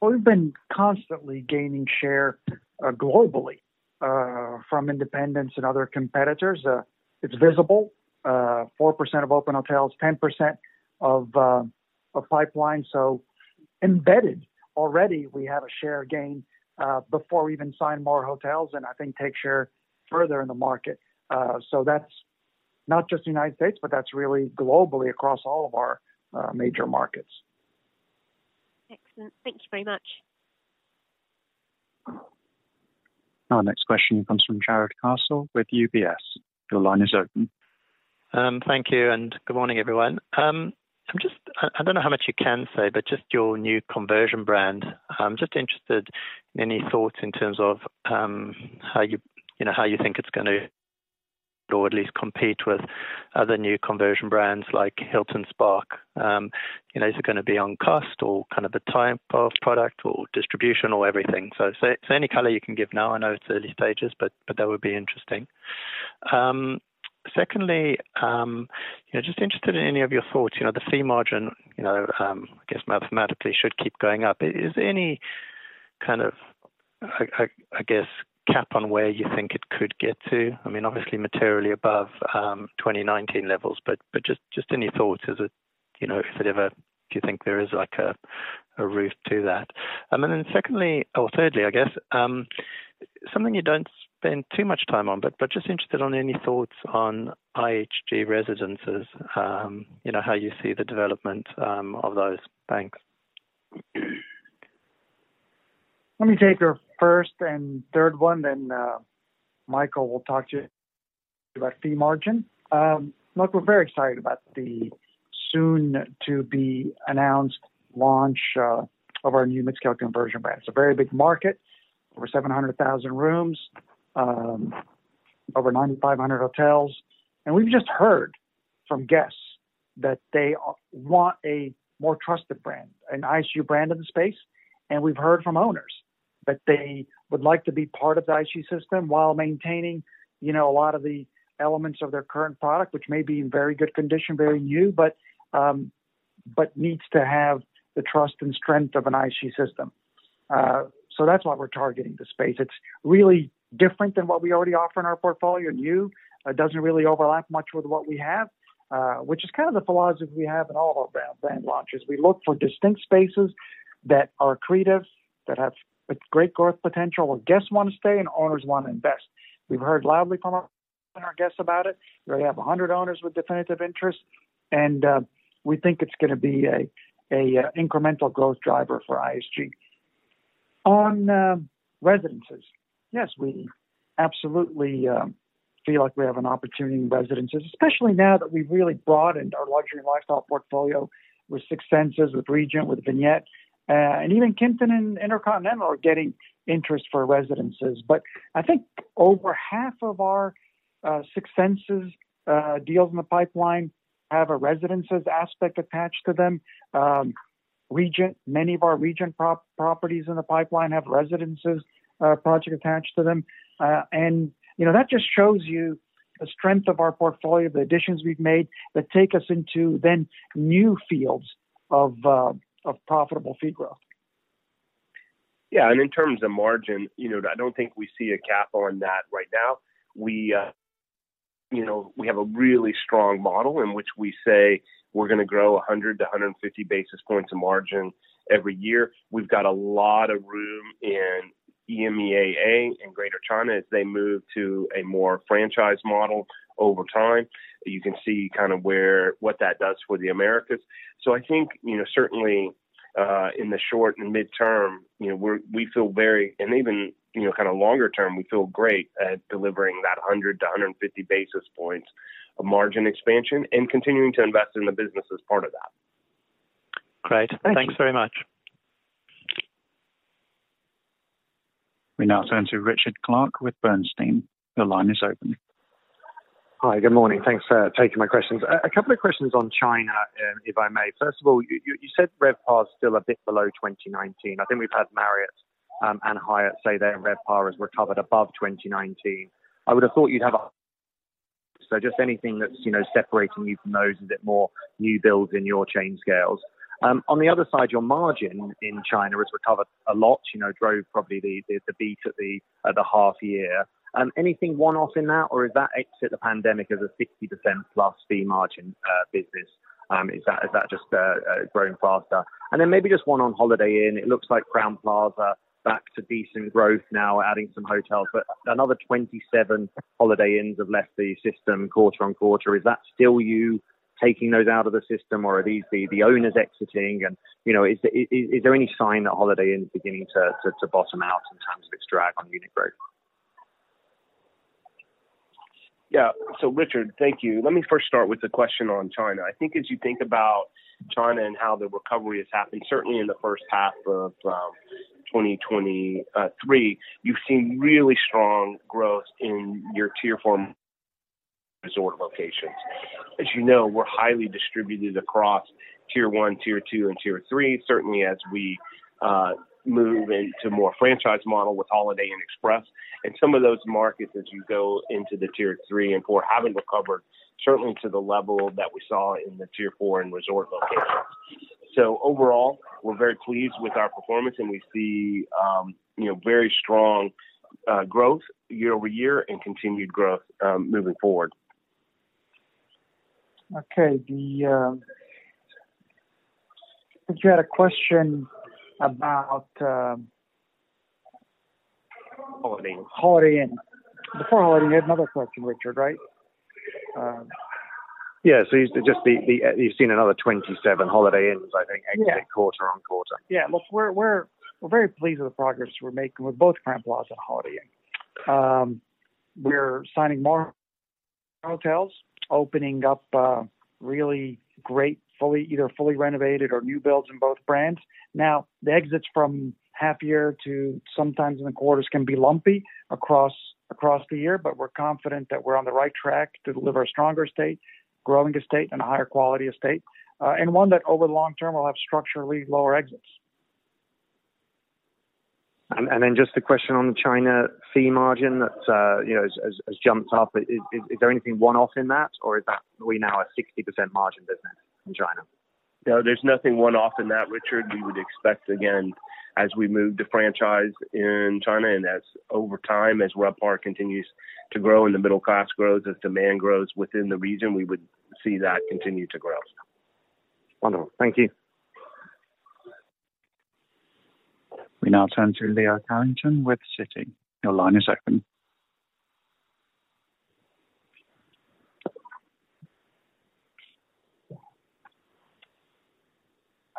Well, we've been constantly gaining share, globally, from independents and other competitors. It's visible, 4% of open hotels, 10% of pipeline. Embedded already, we have a share gain, before we even sign more hotels, and I think take share further in the market. That's not just the United States, but that's really globally across all of our major markets. Excellent. Thank you very much. Our next question comes from Jarrod Castle with UBS. Your line is open. Thank you, and good morning, everyone. I, I don't know how much you can say, but just your new conversion brand, I'm just interested, any thoughts in terms of, how you, you know, how you think it's gonna or at least compete with other new conversion brands like Hilton Spark? You know, is it gonna be on cost or kind of the type of product or distribution or everything? So any color you can give now, I know it's early stages, but, but that would be interesting. Secondly, you know, just interested in any of your thoughts, you know, the fee margin, you know, I guess mathematically should keep going up. Is there any kind of, I, I, I guess, cap on where you think it could get to? I mean, obviously materially above, 2019 levels, but just any thoughts, is it, you know, do you think there is like a roof to that? Then secondly or thirdly, I guess, something you don't spend too much time on, but just interested on any thoughts on IHG residences, you know, how you see the development of those? Thanks. Let me take your first and third one, then Michael will talk to you about fee margin. Look, we're very excited about the soon-to-be-announced launch of our new midscale conversion brand. It's a very big market, over 700,000 rooms, over 9,500 hotels. We've just heard from guests that they want a more trusted brand, an IHG brand in the space. We've heard from owners that they would like to be part of the IHG system while maintaining, you know, a lot of the elements of their current product, which may be in very good condition, very new, but needs to have the trust and strength of an IHG system. That's why we're targeting the space. It's really different than what we already offer in our portfolio, new. It doesn't really overlap much with what we have, which is kind of the philosophy we have in all of our brand launches. We look for distinct spaces that are accretive, that have great growth potential, where guests want to stay and owners want to invest. We've heard loudly from our, from our guests about it. We already have 100 owners with definitive interest, and we think it's gonna be an incremental growth driver for IHG. On residences. Yes, we absolutely feel like we have an opportunity in residences, especially now that we've really broadened our luxury and lifestyle portfolio with Six Senses, with Regent, with Vignette. Even Kimpton and InterContinental are getting interest for residences. I think over half of our Six Senses deals in the pipeline have a residences aspect attached to them. Regent, many of our Regent properties in the pipeline have residences, project attached to them. you know, that just shows you the strength of our portfolio, the additions we've made, that take us into then new fields of profitable fee growth. Yeah, in terms of margin, you know, I don't think we see a cap on that right now. We, you know, we have a really strong model in which we say we're gonna grow 100-150 basis points of margin every year. We've got a lot of room in EMEAA and Greater China as they move to a more franchise model over time. You can see kind of where what that does for the Americas. I think, you know, certainly, in the short and midterm, you know, we're, we feel very... Even, you know, kind of longer term, we feel great at delivering that 100-150 basis points of margin expansion and continuing to invest in the business as part of that. Great. Thank you. Thanks very much. We now turn to Richard Clarke with Bernstein. Your line is open. Hi, good morning. Thanks for taking my questions. A couple of questions on China, if I may. First of all, you, you, you said RevPAR is still a bit below 2019. I think we've heard Marriott and Hyatt say their RevPAR has recovered above 2019. I would have thought you'd have a. Just anything that's, you know, separating you from those a bit more new builds in your chain scales. On the other side, your margin in China has recovered a lot, you know, drove probably the, the, the beat at the half year. Anything one-off in that, or is that exit the pandemic as a 60% plus fee margin business? Is that, is that just growing faster? Then maybe just one on Holiday Inn. It looks like Crowne Plaza back to decent growth now, adding some hotels, but another 27 Holiday Inns have left the system quarter-on-quarter. Is that still you taking those out of the system, or are these the, the owners exiting? You know, is there any sign that Holiday Inn is beginning to bottom out in terms of its drag on unit growth? Yeah. Richard, thank you. Let me first start with the question on China. I think as you think about China and how the recovery has happened, certainly in the first half of 2023, you've seen really strong growth in your Tier 4 resort locations. As you know, we're highly distributed across Tier 1, Tier 2, and Tier 3, certainly as we move into more franchise model with Holiday Inn Express. Some of those markets, as you go into the Tier 3 and 4, haven't recovered certainly to the level that we saw in the Tier 4 and resort locations. Overall, we're very pleased with our performance, and we see, you know, very strong growth year over year and continued growth moving forward. Okay. I think you had a question about. Holiday Inn. Holiday Inn. Before Holiday Inn, you had another question, Richard, right? Yeah. You've seen another 27 Holiday Inns, I think- Yeah... exiting quarter on quarter. Look, we're, we're, we're very pleased with the progress we're making with both Crowne Plaza and Holiday Inn. We're signing more hotels, opening up, really great, fully, either fully renovated or new builds in both brands. The exits from half year to sometimes in the quarters can be lumpy across, across the year, but we're confident that we're on the right track to deliver a stronger state, growing estate, and a higher quality estate, and one that, over the long term, will have structurally lower exits. Just a question on the China fee margin that, you know, has jumped up. Is there anything one-off in that, or is that we now a 60% margin business in China? No, there's nothing 1-off in that, Richard. We would expect, again, as we move to franchise in China and as over time, as RevPAR continues to grow and the middle class grows, as demand grows within the region, we would see that continue to grow. Wonderful. Thank you. We now turn to Leo Carrington with Citi. Your line is open.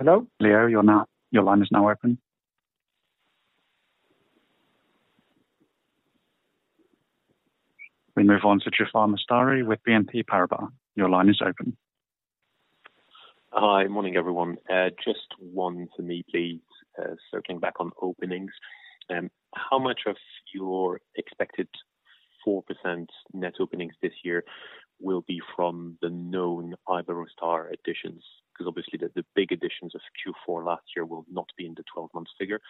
Hello? Leo, your line is now open. We move on to Jaafar Mestari with BNP Paribas. Your line is open. Hi. Morning, everyone. Just want to neatly, circling back on openings. How much of your expected 4% net openings this year will be from the known Iberostar additions? Because obviously, the big additions of Q4 last year will not be in the 12-month figure.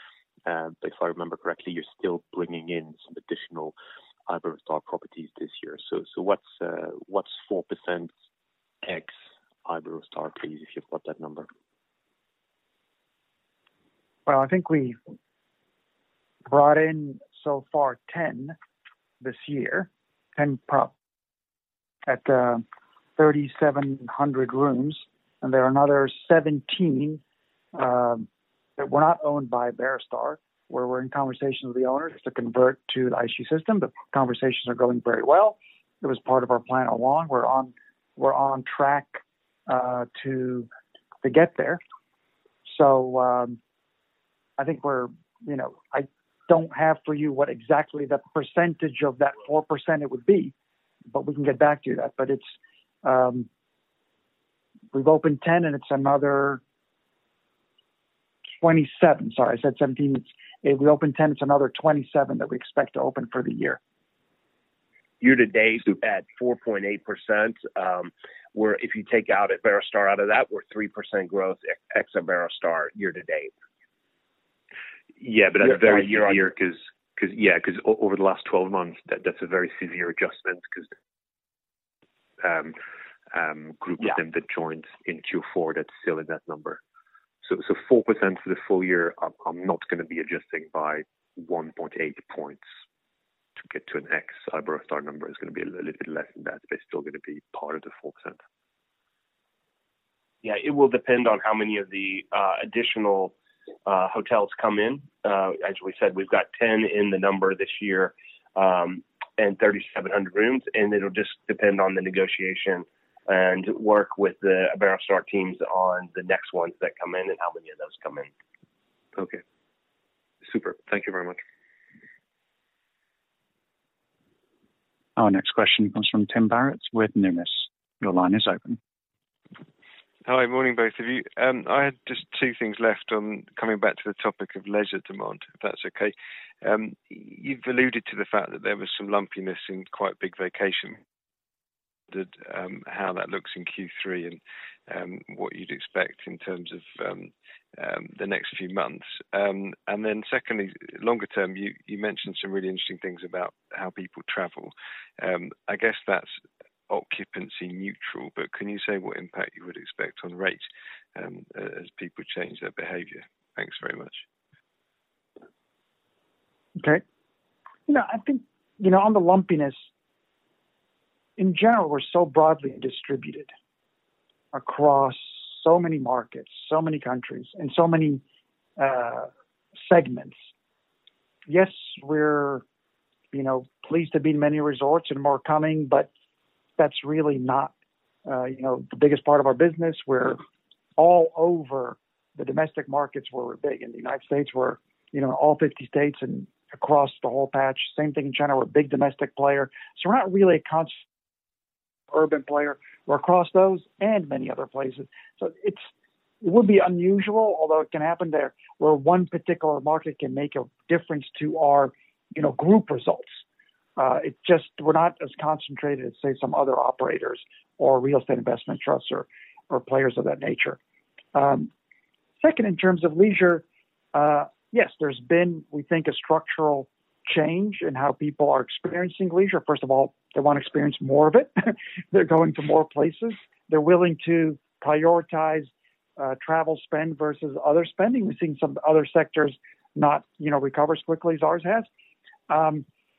If I remember correctly, you're still bringing in some additional Iberostar properties this year. What's 4%... X Iberostar, please, if you've got that number. Well, I think we brought in so far 10 this year, 10 prop at 3,700 rooms. There are another 17 that were not owned by Iberostar, where we're in conversations with the owners to convert to the IHG system. The conversations are going very well. It was part of our plan along. We're on, we're on track to, to get there. I think we're, you know, I don't have for you what exactly the percentage of that 4% it would be, but we can get back to you that. It's, we've opened 10, and it's another 27. Sorry, I said 17. It's if we open 10, it's another 27 that we expect to open for the year. Year to date, at 4.8%, if you take out Iberostar out of that, we're 3% growth ex Iberostar year to date. Yeah, at the very year, 'cause, 'cause, yeah, 'cause over the last 12 months, that's a very severe adjustment 'cause, group of them- Yeah. that joined in Q4, that's still in that number. 4% for the full year, I'm not gonna be adjusting by 1.8 points to get to an ex Iberostar number. It's gonna be a little bit less than that, but it's still gonna be part of the 4%. Yeah, it will depend on how many of the additional hotels come in. As we said, we've got 10 in the number this year, and 3,700 rooms, and it'll just depend on the negotiation and work with the Iberostar teams on the next ones that come in and how many of those come in. Okay. Super. Thank you very much. Our next question comes from Tim Barrett with Numis. Your line is open. Hi, morning, both of you. I had just two things left on coming back to the topic of leisure demand, if that's okay. You've alluded to the fact that there was some lumpiness in quite big vacation, that, how that looks in Q3 and what you'd expect in terms of the next few months. Secondly, longer term, you, you mentioned some really interesting things about how people travel. I guess that's occupancy neutral, but can you say what impact you would expect on rates as people change their behavior? Thanks very much. Okay. You know, I think, you know, on the lumpiness, in general, we're so broadly distributed across so many markets, so many countries, and so many segments. Yes, we're, you know, pleased to be in many resorts and more coming, but that's really not, you know, the biggest part of our business. We're all over the domestic markets where we're big. In the United States, we're, you know, in all 50 states and across the whole patch. Same thing in China, we're a big domestic player. We're not really a cons urban player, we're across those and many other places. It's, it would be unusual, although it can happen there, where one particular market can make a difference to our, you know, group results. It just we're not as concentrated as, say, some other operators or real estate investment trusts or players of that nature. Second, in terms of leisure, yes, there's been, we think, a structural change in how people are experiencing leisure. First of all, they wanna experience more of it. They're going to more places. They're willing to prioritize travel spend versus other spending. We've seen some other sectors not, you know, recover as quickly as ours has.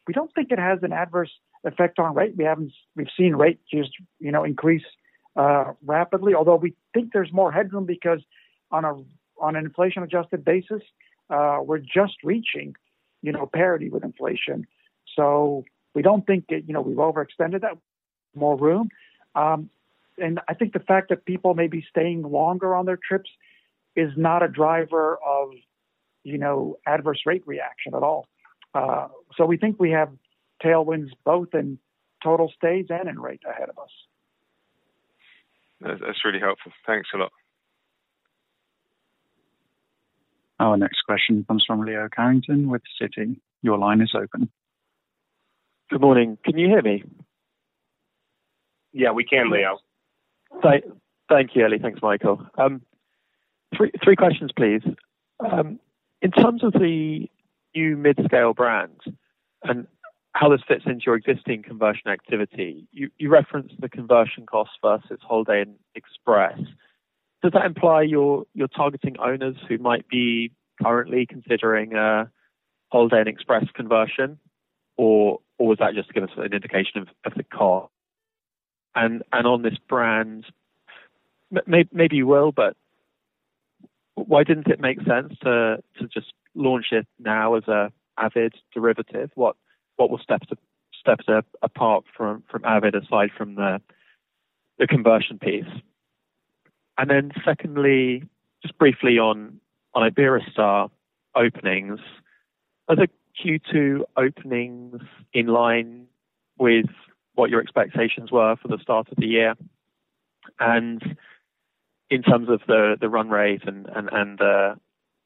We don't think it has an adverse effect on rate. We haven't. We've seen rates just, you know, increase rapidly, although we think there's more headroom because on an inflation-adjusted basis, we're just reaching, you know, parity with inflation. We don't think that, you know, we've overextended that more room. I think the fact that people may be staying longer on their trips is not a driver of, you know, adverse rate reaction at all. We think we have tailwinds both in total stays and in rates ahead of us. That, that's really helpful. Thanks a lot. Our next question comes from Leo Carrington with Citi. Your line is open. Good morning. Can you hear me? Yeah, we can, Leo. Thank, thank you, Eli. Thanks, Paul Edgecliffe-Johnson. Three, three questions, please. In terms of the new mid-scale brands and how this fits into your existing conversion activity, you, you referenced the conversion cost versus Holiday Inn Express. Does that imply you're, you're targeting owners who might be currently considering a Holiday Inn Express conversion, or, or was that just to give us an indication of, of the cost? And on this brand, may-may-maybe you will, but why didn't it make sense to, to just launch it now as a Avid derivative? What, what were steps, steps a-apart from, from Avid, aside from the, the conversion piece? Then secondly, just briefly on, on Iberostar openings, are the Q2 openings in line with what your expectations were for the start of the year? In terms of the run rate and the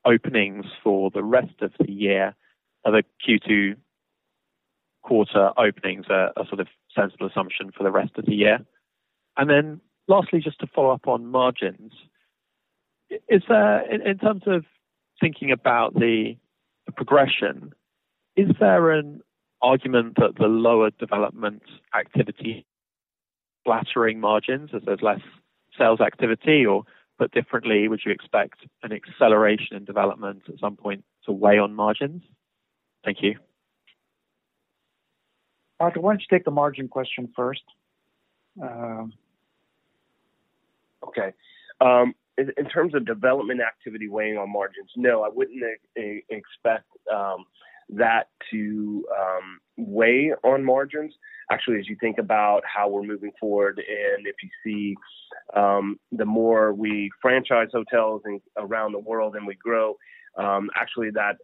openings for the rest of the year, are the Q2 quarter openings a sort of sensible assumption for the rest of the year? Then lastly, just to follow up on margins? Is, in terms of thinking about the progression, is there an argument that the lower development activity flattering margins as there's less sales activity, or put differently, would you expect an acceleration in development at some point to weigh on margins? Thank you. Arthur, why don't you take the margin question first? Okay. In, in terms of development activity weighing on margins, no, I wouldn't expect that to weigh on margins. Actually, as you think about how we're moving forward, and if you see, the more we franchise hotels in around the world and we grow, actually that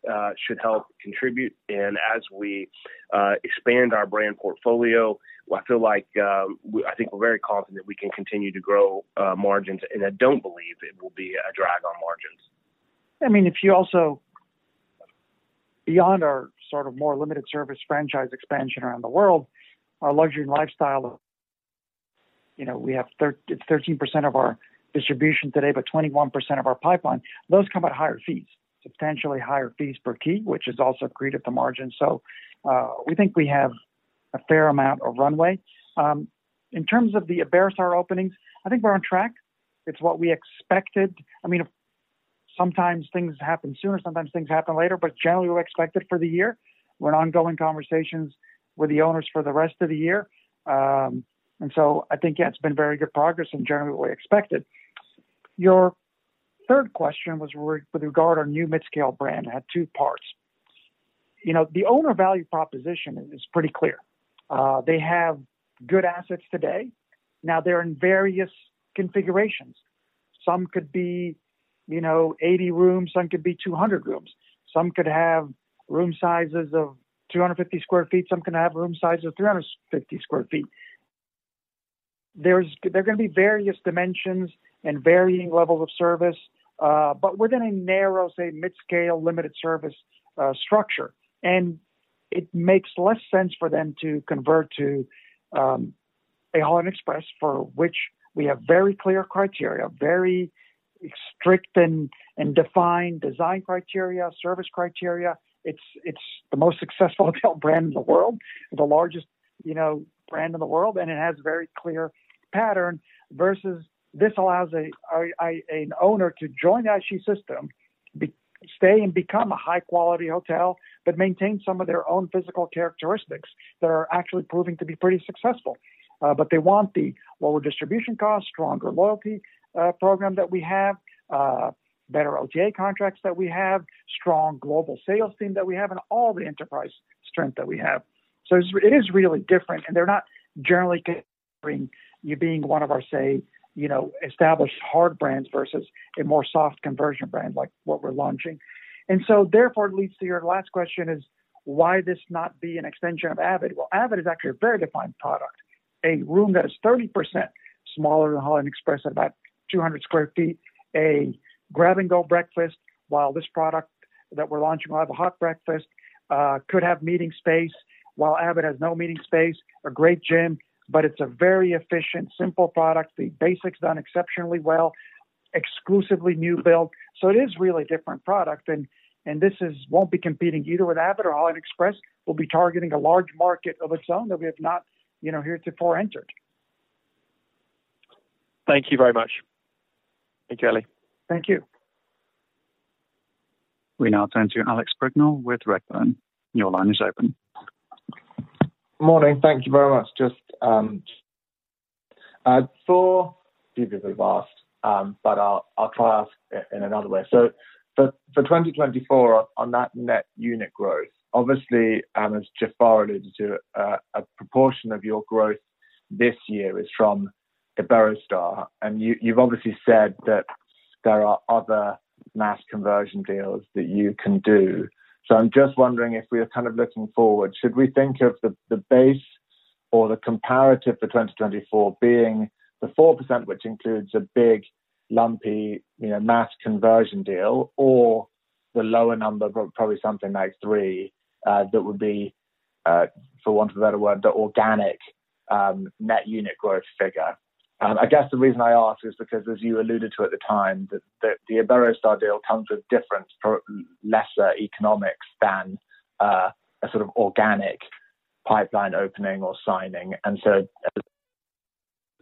should help contribute. As we expand our brand portfolio, I feel like we I think we're very confident we can continue to grow margins, and I don't believe it will be a drag on margins. I mean, if you also, beyond our sort of more limited service franchise expansion around the world, our luxury and lifestyle, you know, we have 13% of our distribution today, but 21% of our pipeline. Those come at higher fees, substantially higher fees per key, which is also accretive to margin. We think we have a fair amount of runway. In terms of the Iberostar openings, I think we're on track. It's what we expected. I mean, sometimes things happen sooner, sometimes things happen later, but generally, we're expected for the year. We're in ongoing conversations with the owners for the rest of the year. I think, yeah, it's been very good progress and generally what we expected. Your third question was with regard to our new mid-scale brand, had two parts. You know, the owner value proposition is, is pretty clear. They have good assets today. Now they're in various configurations. Some could be, you know, 80 rooms, some could be 200 rooms. Some could have room sizes of 250 sq ft, some can have room sizes of 350 sq ft. There are gonna be various dimensions and varying levels of service, but we're gonna narrow, say, mid-scale, limited service, structure. It makes less sense for them to convert to a Holiday Inn Express, for which we have very clear criteria, very strict and, and defined design criteria, service criteria. It's the most successful hotel brand in the world, the largest, you know, brand in the world. It has very clear pattern. Versus this allows an owner to join the IHG system, stay and become a high quality hotel, but maintain some of their own physical characteristics that are actually proving to be pretty successful. But they want the lower distribution costs, stronger loyalty, program that we have, better OGA contracts that we have, strong global sales team that we have, and all the enterprise strength that we have. It is really different, and they're not generally considering you being one of our, say, you know, established hard brands versus a more soft conversion brand, like what we're launching. Therefore, it leads to your last question is, why this not be an extension of Avid? Avid is actually a very defined product. A room that is 30% smaller than Holiday Inn Express, about 200 sq ft, a grab-and-go breakfast, while this product that we're launching will have a hot breakfast, could have meeting space, while Avid has no meeting space, a great gym, but it's a very efficient, simple product. The basics done exceptionally well, exclusively new build. It is really a different product, and this won't be competing either with Avid or Holiday Inn Express. We'll be targeting a large market of its own that we have not, you know, heretofore entered. Thank you very much. Thank you, Kelly. Thank you. We now turn to Alex Brignall with Redburn. Your line is open. Morning. Thank you very much. Just, for previously we've asked, but I'll, I'll try ask in another way. For 2024 on that net unit growth, obviously, as Jafar alluded to, a proportion of your growth this year is from Iberostar, and you, you've obviously said that there are other mass conversion deals that you can do. I'm just wondering if we are kind of looking forward, should we think of the, the base or the comparative for 2024 being the 4%, which includes a big lumpy, you know, mass conversion deal, or the lower number, but probably something like 3, that would be, for want of a better word, the organic, net unit growth figure? I guess the reason I ask is because, as you alluded to at the time, that the Iberostar deal comes with different, lesser economics than a sort of organic pipeline opening or signing. So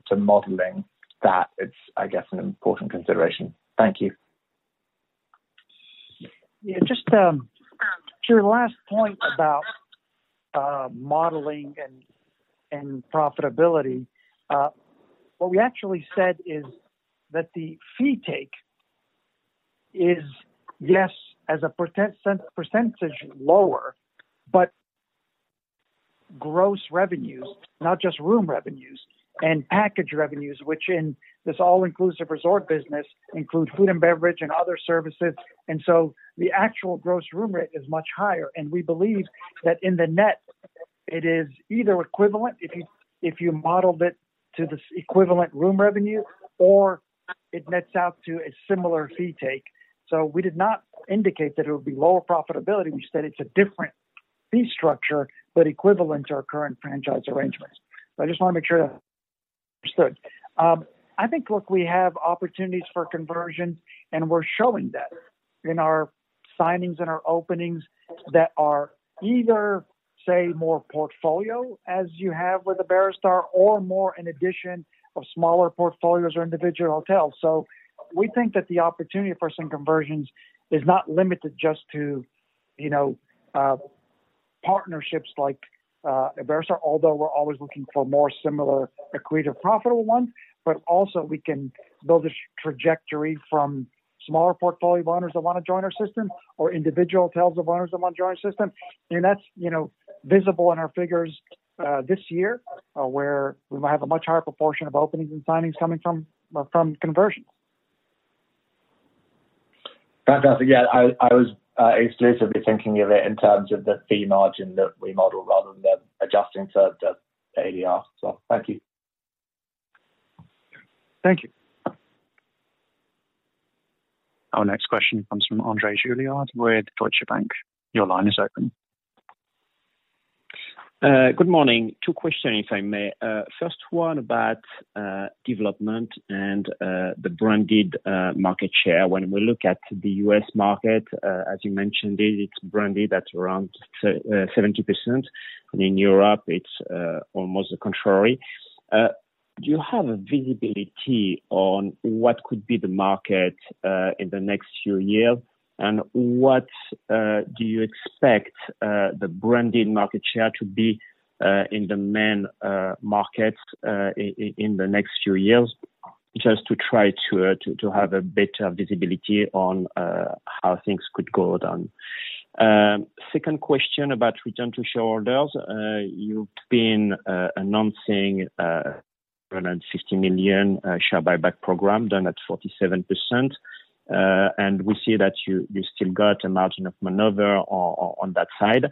to modeling that it's, I guess, an important consideration. Thank you. Yeah, just to your last point about modeling and, and profitability, what we actually said is that the fee take is, yes, as a percent-percentage lower, but gross revenues, not just room revenues and package revenues, which in this all-inclusive resort business, include food and beverage and other services. The actual gross room rate is much higher, and we believe that in the net, it is either equivalent, if you, if you modeled it to this equivalent room revenue, or it nets out to a similar fee take. We did not indicate that it would be lower profitability. We said it's a different-... fee structure, but equivalent to our current franchise arrangements. I just want to make sure that understood. I think, look, we have opportunities for conversion, and we're showing that in our signings and our openings that are either, say, more portfolio, as you have with the Iberostar, or more in addition of smaller portfolios or individual hotels. We think that the opportunity for some conversions is not limited just to, you know, partnerships like Iberostar, although we're always looking for more similar accretive, profitable ones. Also, we can build a trajectory from smaller portfolio owners that want to join our system or individual hotels of owners that want to join our system. That's, you know, visible in our figures this year, where we might have a much higher proportion of openings and signings coming from, from conversions. Fantastic. Yeah, I, I was exclusively thinking of it in terms of the fee margin that we model rather than adjusting to the ADR. Thank you. Thank you. Our next question comes from André Juillard with Deutsche Bank. Your line is open. Good morning. Two questions, if I may. First one about development and the branded market share. When we look at the U.S. market, as you mentioned it, it's branded at around 70%, and in Europe, it's almost the contrary. Do you have a visibility on what could be the market in the next few years? What do you expect the branded market share to be in the main markets in the next few years? Just to try to, to, to have a better visibility on how things could go down. Second question about return to shareholders. You've been announcing 160 million share buyback program done at 47%. We see that you still got a margin of maneuver on that side.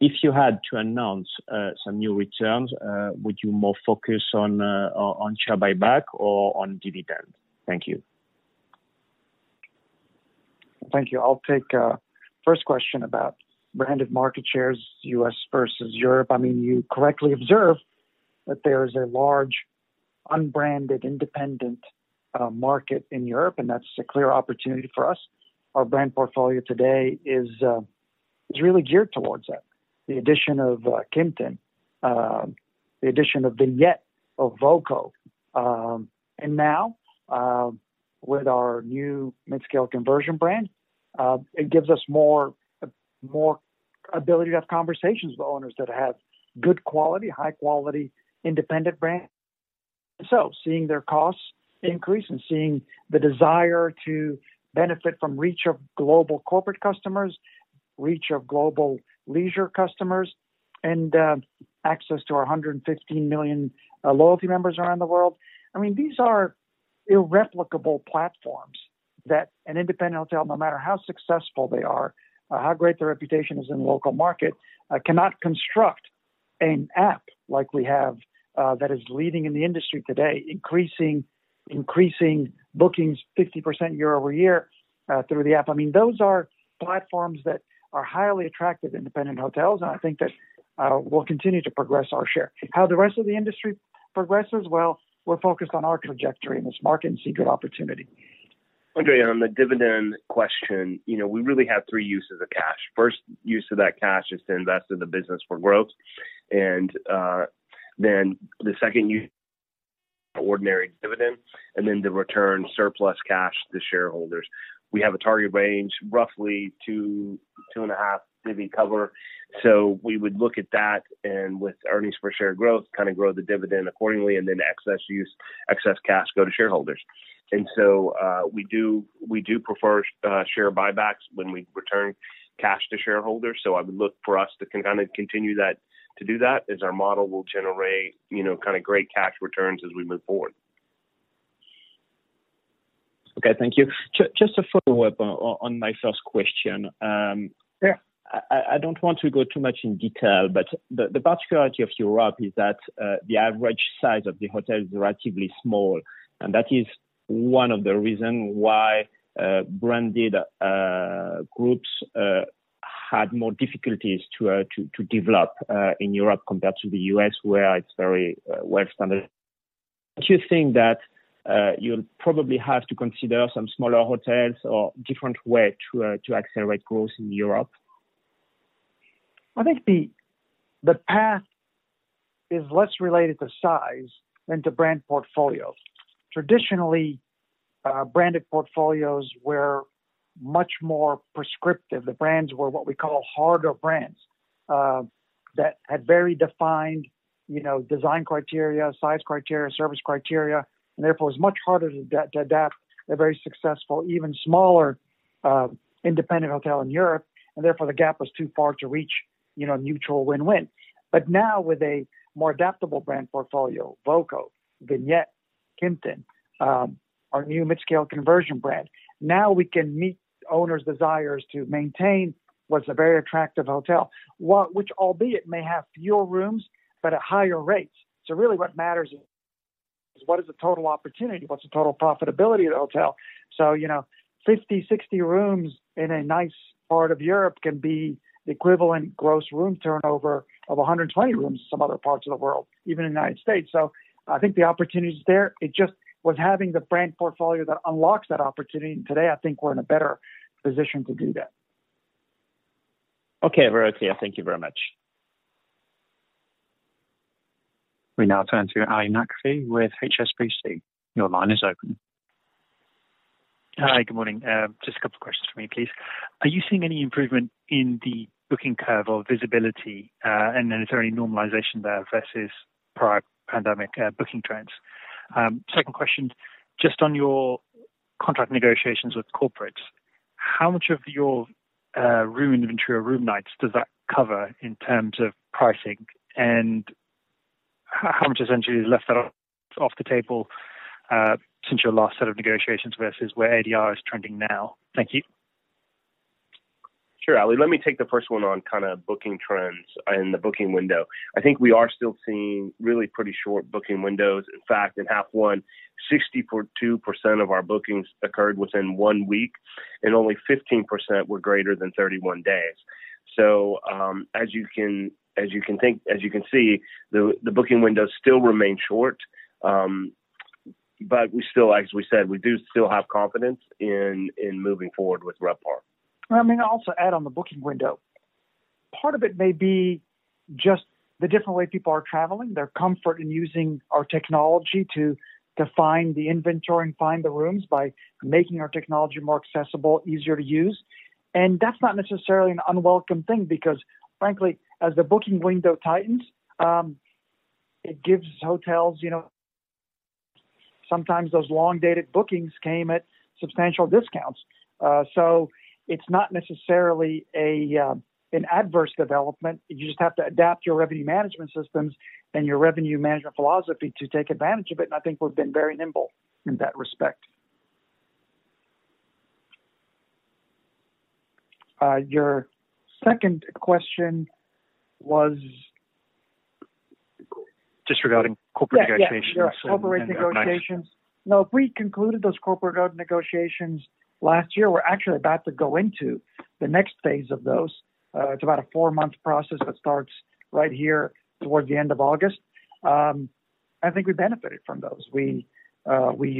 If you had to announce some new returns, would you more focus on share buyback or on dividend? Thank you. Thank you. I'll take first question about branded market shares, U.S. versus Europe. I mean, you correctly observed that there is a large, unbranded, independent market in Europe, and that's a clear opportunity for us. Our brand portfolio today is really geared towards that. The addition of Kimpton, the addition of Vignette, of Voco, and now, with our new midscale conversion brand, it gives us more, more ability to have conversations with owners that have good quality, high quality, independent brands. Seeing their costs increase and seeing the desire to benefit from reach of global corporate customers, reach of global leisure customers, and access to our 115 million loyalty members around the world. I mean, these are irreplicable platforms that an independent hotel, no matter how successful they are or how great their reputation is in the local market, cannot construct an app like we have, that is leading in the industry today, increasing, increasing bookings 50% year-over-year, through the app. I mean, those are platforms that are highly attractive to independent hotels, and I think that we'll continue to progress our share. How the rest of the industry progresses, well, we're focused on our trajectory in this market and see good opportunity. Andre, on the dividend question, you know, we really have three uses of cash. First use of that cash is to invest in the business for growth, and, then the second use, ordinary dividend, and then to return surplus cash to shareholders. We have a target range, roughly 2-2.5 dividend cover. We would look at that and with earnings per share growth, kind of grow the dividend accordingly, and then excess cash go to shareholders. We do, we do prefer, share buybacks when we return cash to shareholders. I would look for us to kind of continue that, to do that, as our model will generate, you know, kind of great cash returns as we move forward. Okay, thank you. Just a follow-up on, on my first question. Yeah. I don't want to go too much in detail, but the particularity of Europe is that the average size of the hotel is relatively small, and that is one of the reasons why branded groups had more difficulties to develop in Europe compared to the U.S., where it's very well-standard. Do you think that you'll probably have to consider some smaller hotels or different way to accelerate growth in Europe? I think the, the path is less related to size than to brand portfolios. Traditionally, branded portfolios were much more prescriptive. The brands were what we call harder brands, that had very defined, you know, design criteria, size criteria, service criteria, and therefore, it's much harder to adapt a very successful, even smaller, independent hotel in Europe, and therefore, the gap was too far to reach, you know, mutual win-win. Now with a more adaptable brand portfolio, BoCo, Vignette, Kimpton, our new mid-scale conversion brand, now we can meet owners' desires to maintain what's a very attractive hotel, which albeit may have fewer rooms, but at higher rates. Really what matters is. What is the total opportunity? What's the total profitability of the hotel? You know, 50, 60 rooms in a nice part of Europe can be equivalent gross room turnover of 120 rooms in some other parts of the world, even in the United States. I think the opportunity is there. It just with having the brand portfolio that unlocks that opportunity, and today, I think we're in a better position to do that. Okay, very clear. Thank you very much. We now turn to Ali Naqvi with HSBC. Your line is open. Hi, good morning. Just a couple of questions for me, please. Are you seeing any improvement in the booking curve or visibility? Is there any normalization there versus prior pandemic booking trends? Second question, just on your contract negotiations with corporates, how much of your room inventory or room nights does that cover in terms of pricing? How, how much essentially is left off the table since your last set of negotiations versus where ADR is trending now? Thank you. Sure, Eli, let me take the first one on kind of booking trends and the booking window. I think we are still seeing really pretty short booking windows. In fact, in H1, 62% of our bookings occurred within one week, and only 15% were greater than 31 days. As you can see, the, the booking windows still remain short. We still, as we said, we do still have confidence in, in moving forward with RevPAR. I mean, I'll also add on the booking window. Part of it may be just the different way people are traveling, their comfort in using our technology to, to find the inventory and find the rooms by making our technology more accessible, easier to use. That's not necessarily an unwelcome thing because frankly, as the booking window tightens, it gives hotels you know, sometimes those long-dated bookings came at substantial discounts. So it's not necessarily an adverse development. You just have to adapt your revenue management systems and your revenue management philosophy to take advantage of it, and I think we've been very nimble in that respect. Your second question was? Just regarding corporate negotiations. Yeah, yeah, our corporate negotiations. No, we concluded those corporate negotiations last year. We're actually about to go into the next phase of those. It's about a 4-month process that starts right here towards the end of August. I think we benefited from those. We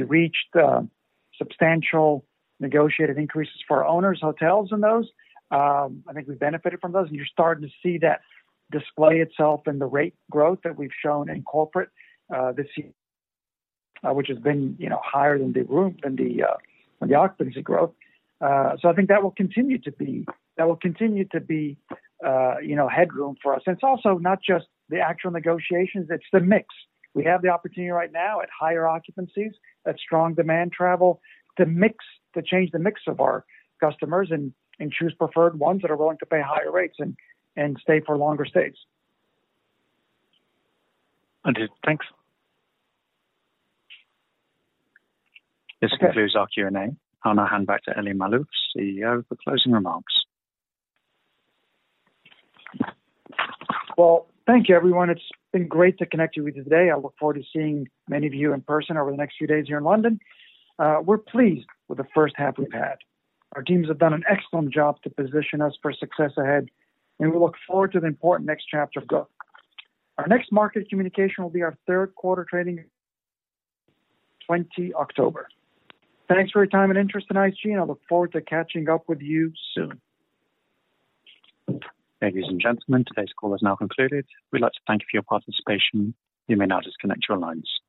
reached substantial negotiated increases for our owners, hotels and those. I think we benefited from those, and you're starting to see that display itself in the rate growth that we've shown in corporate this year, which has been, you know, higher than the room, than the occupancy growth. So I think that will continue to be, that will continue to be, you know, headroom for us. It's also not just the actual negotiations, it's the mix. We have the opportunity right now at higher occupancies, that strong demand travel, to change the mix of our customers and, and choose preferred ones that are willing to pay higher rates and, and stay for longer stays. Understood. Thanks. This concludes our Q&A. I'll now hand back to Elie Maalouf, CEO, for closing remarks. Well, thank you, everyone. It's been great to connect you with you today. I look forward to seeing many of you in person over the next few days here in London. We're pleased with the first half we've had. Our teams have done an excellent job to position us for success ahead, and we look forward to the important next chapter of growth. Our next market communication will be our third quarter trading, 20 October. Thanks for your time and interest in IHG, and I look forward to catching up with you soon. Ladies and gentlemen, today's call is now concluded. We'd like to thank you for your participation. You may now disconnect your lines.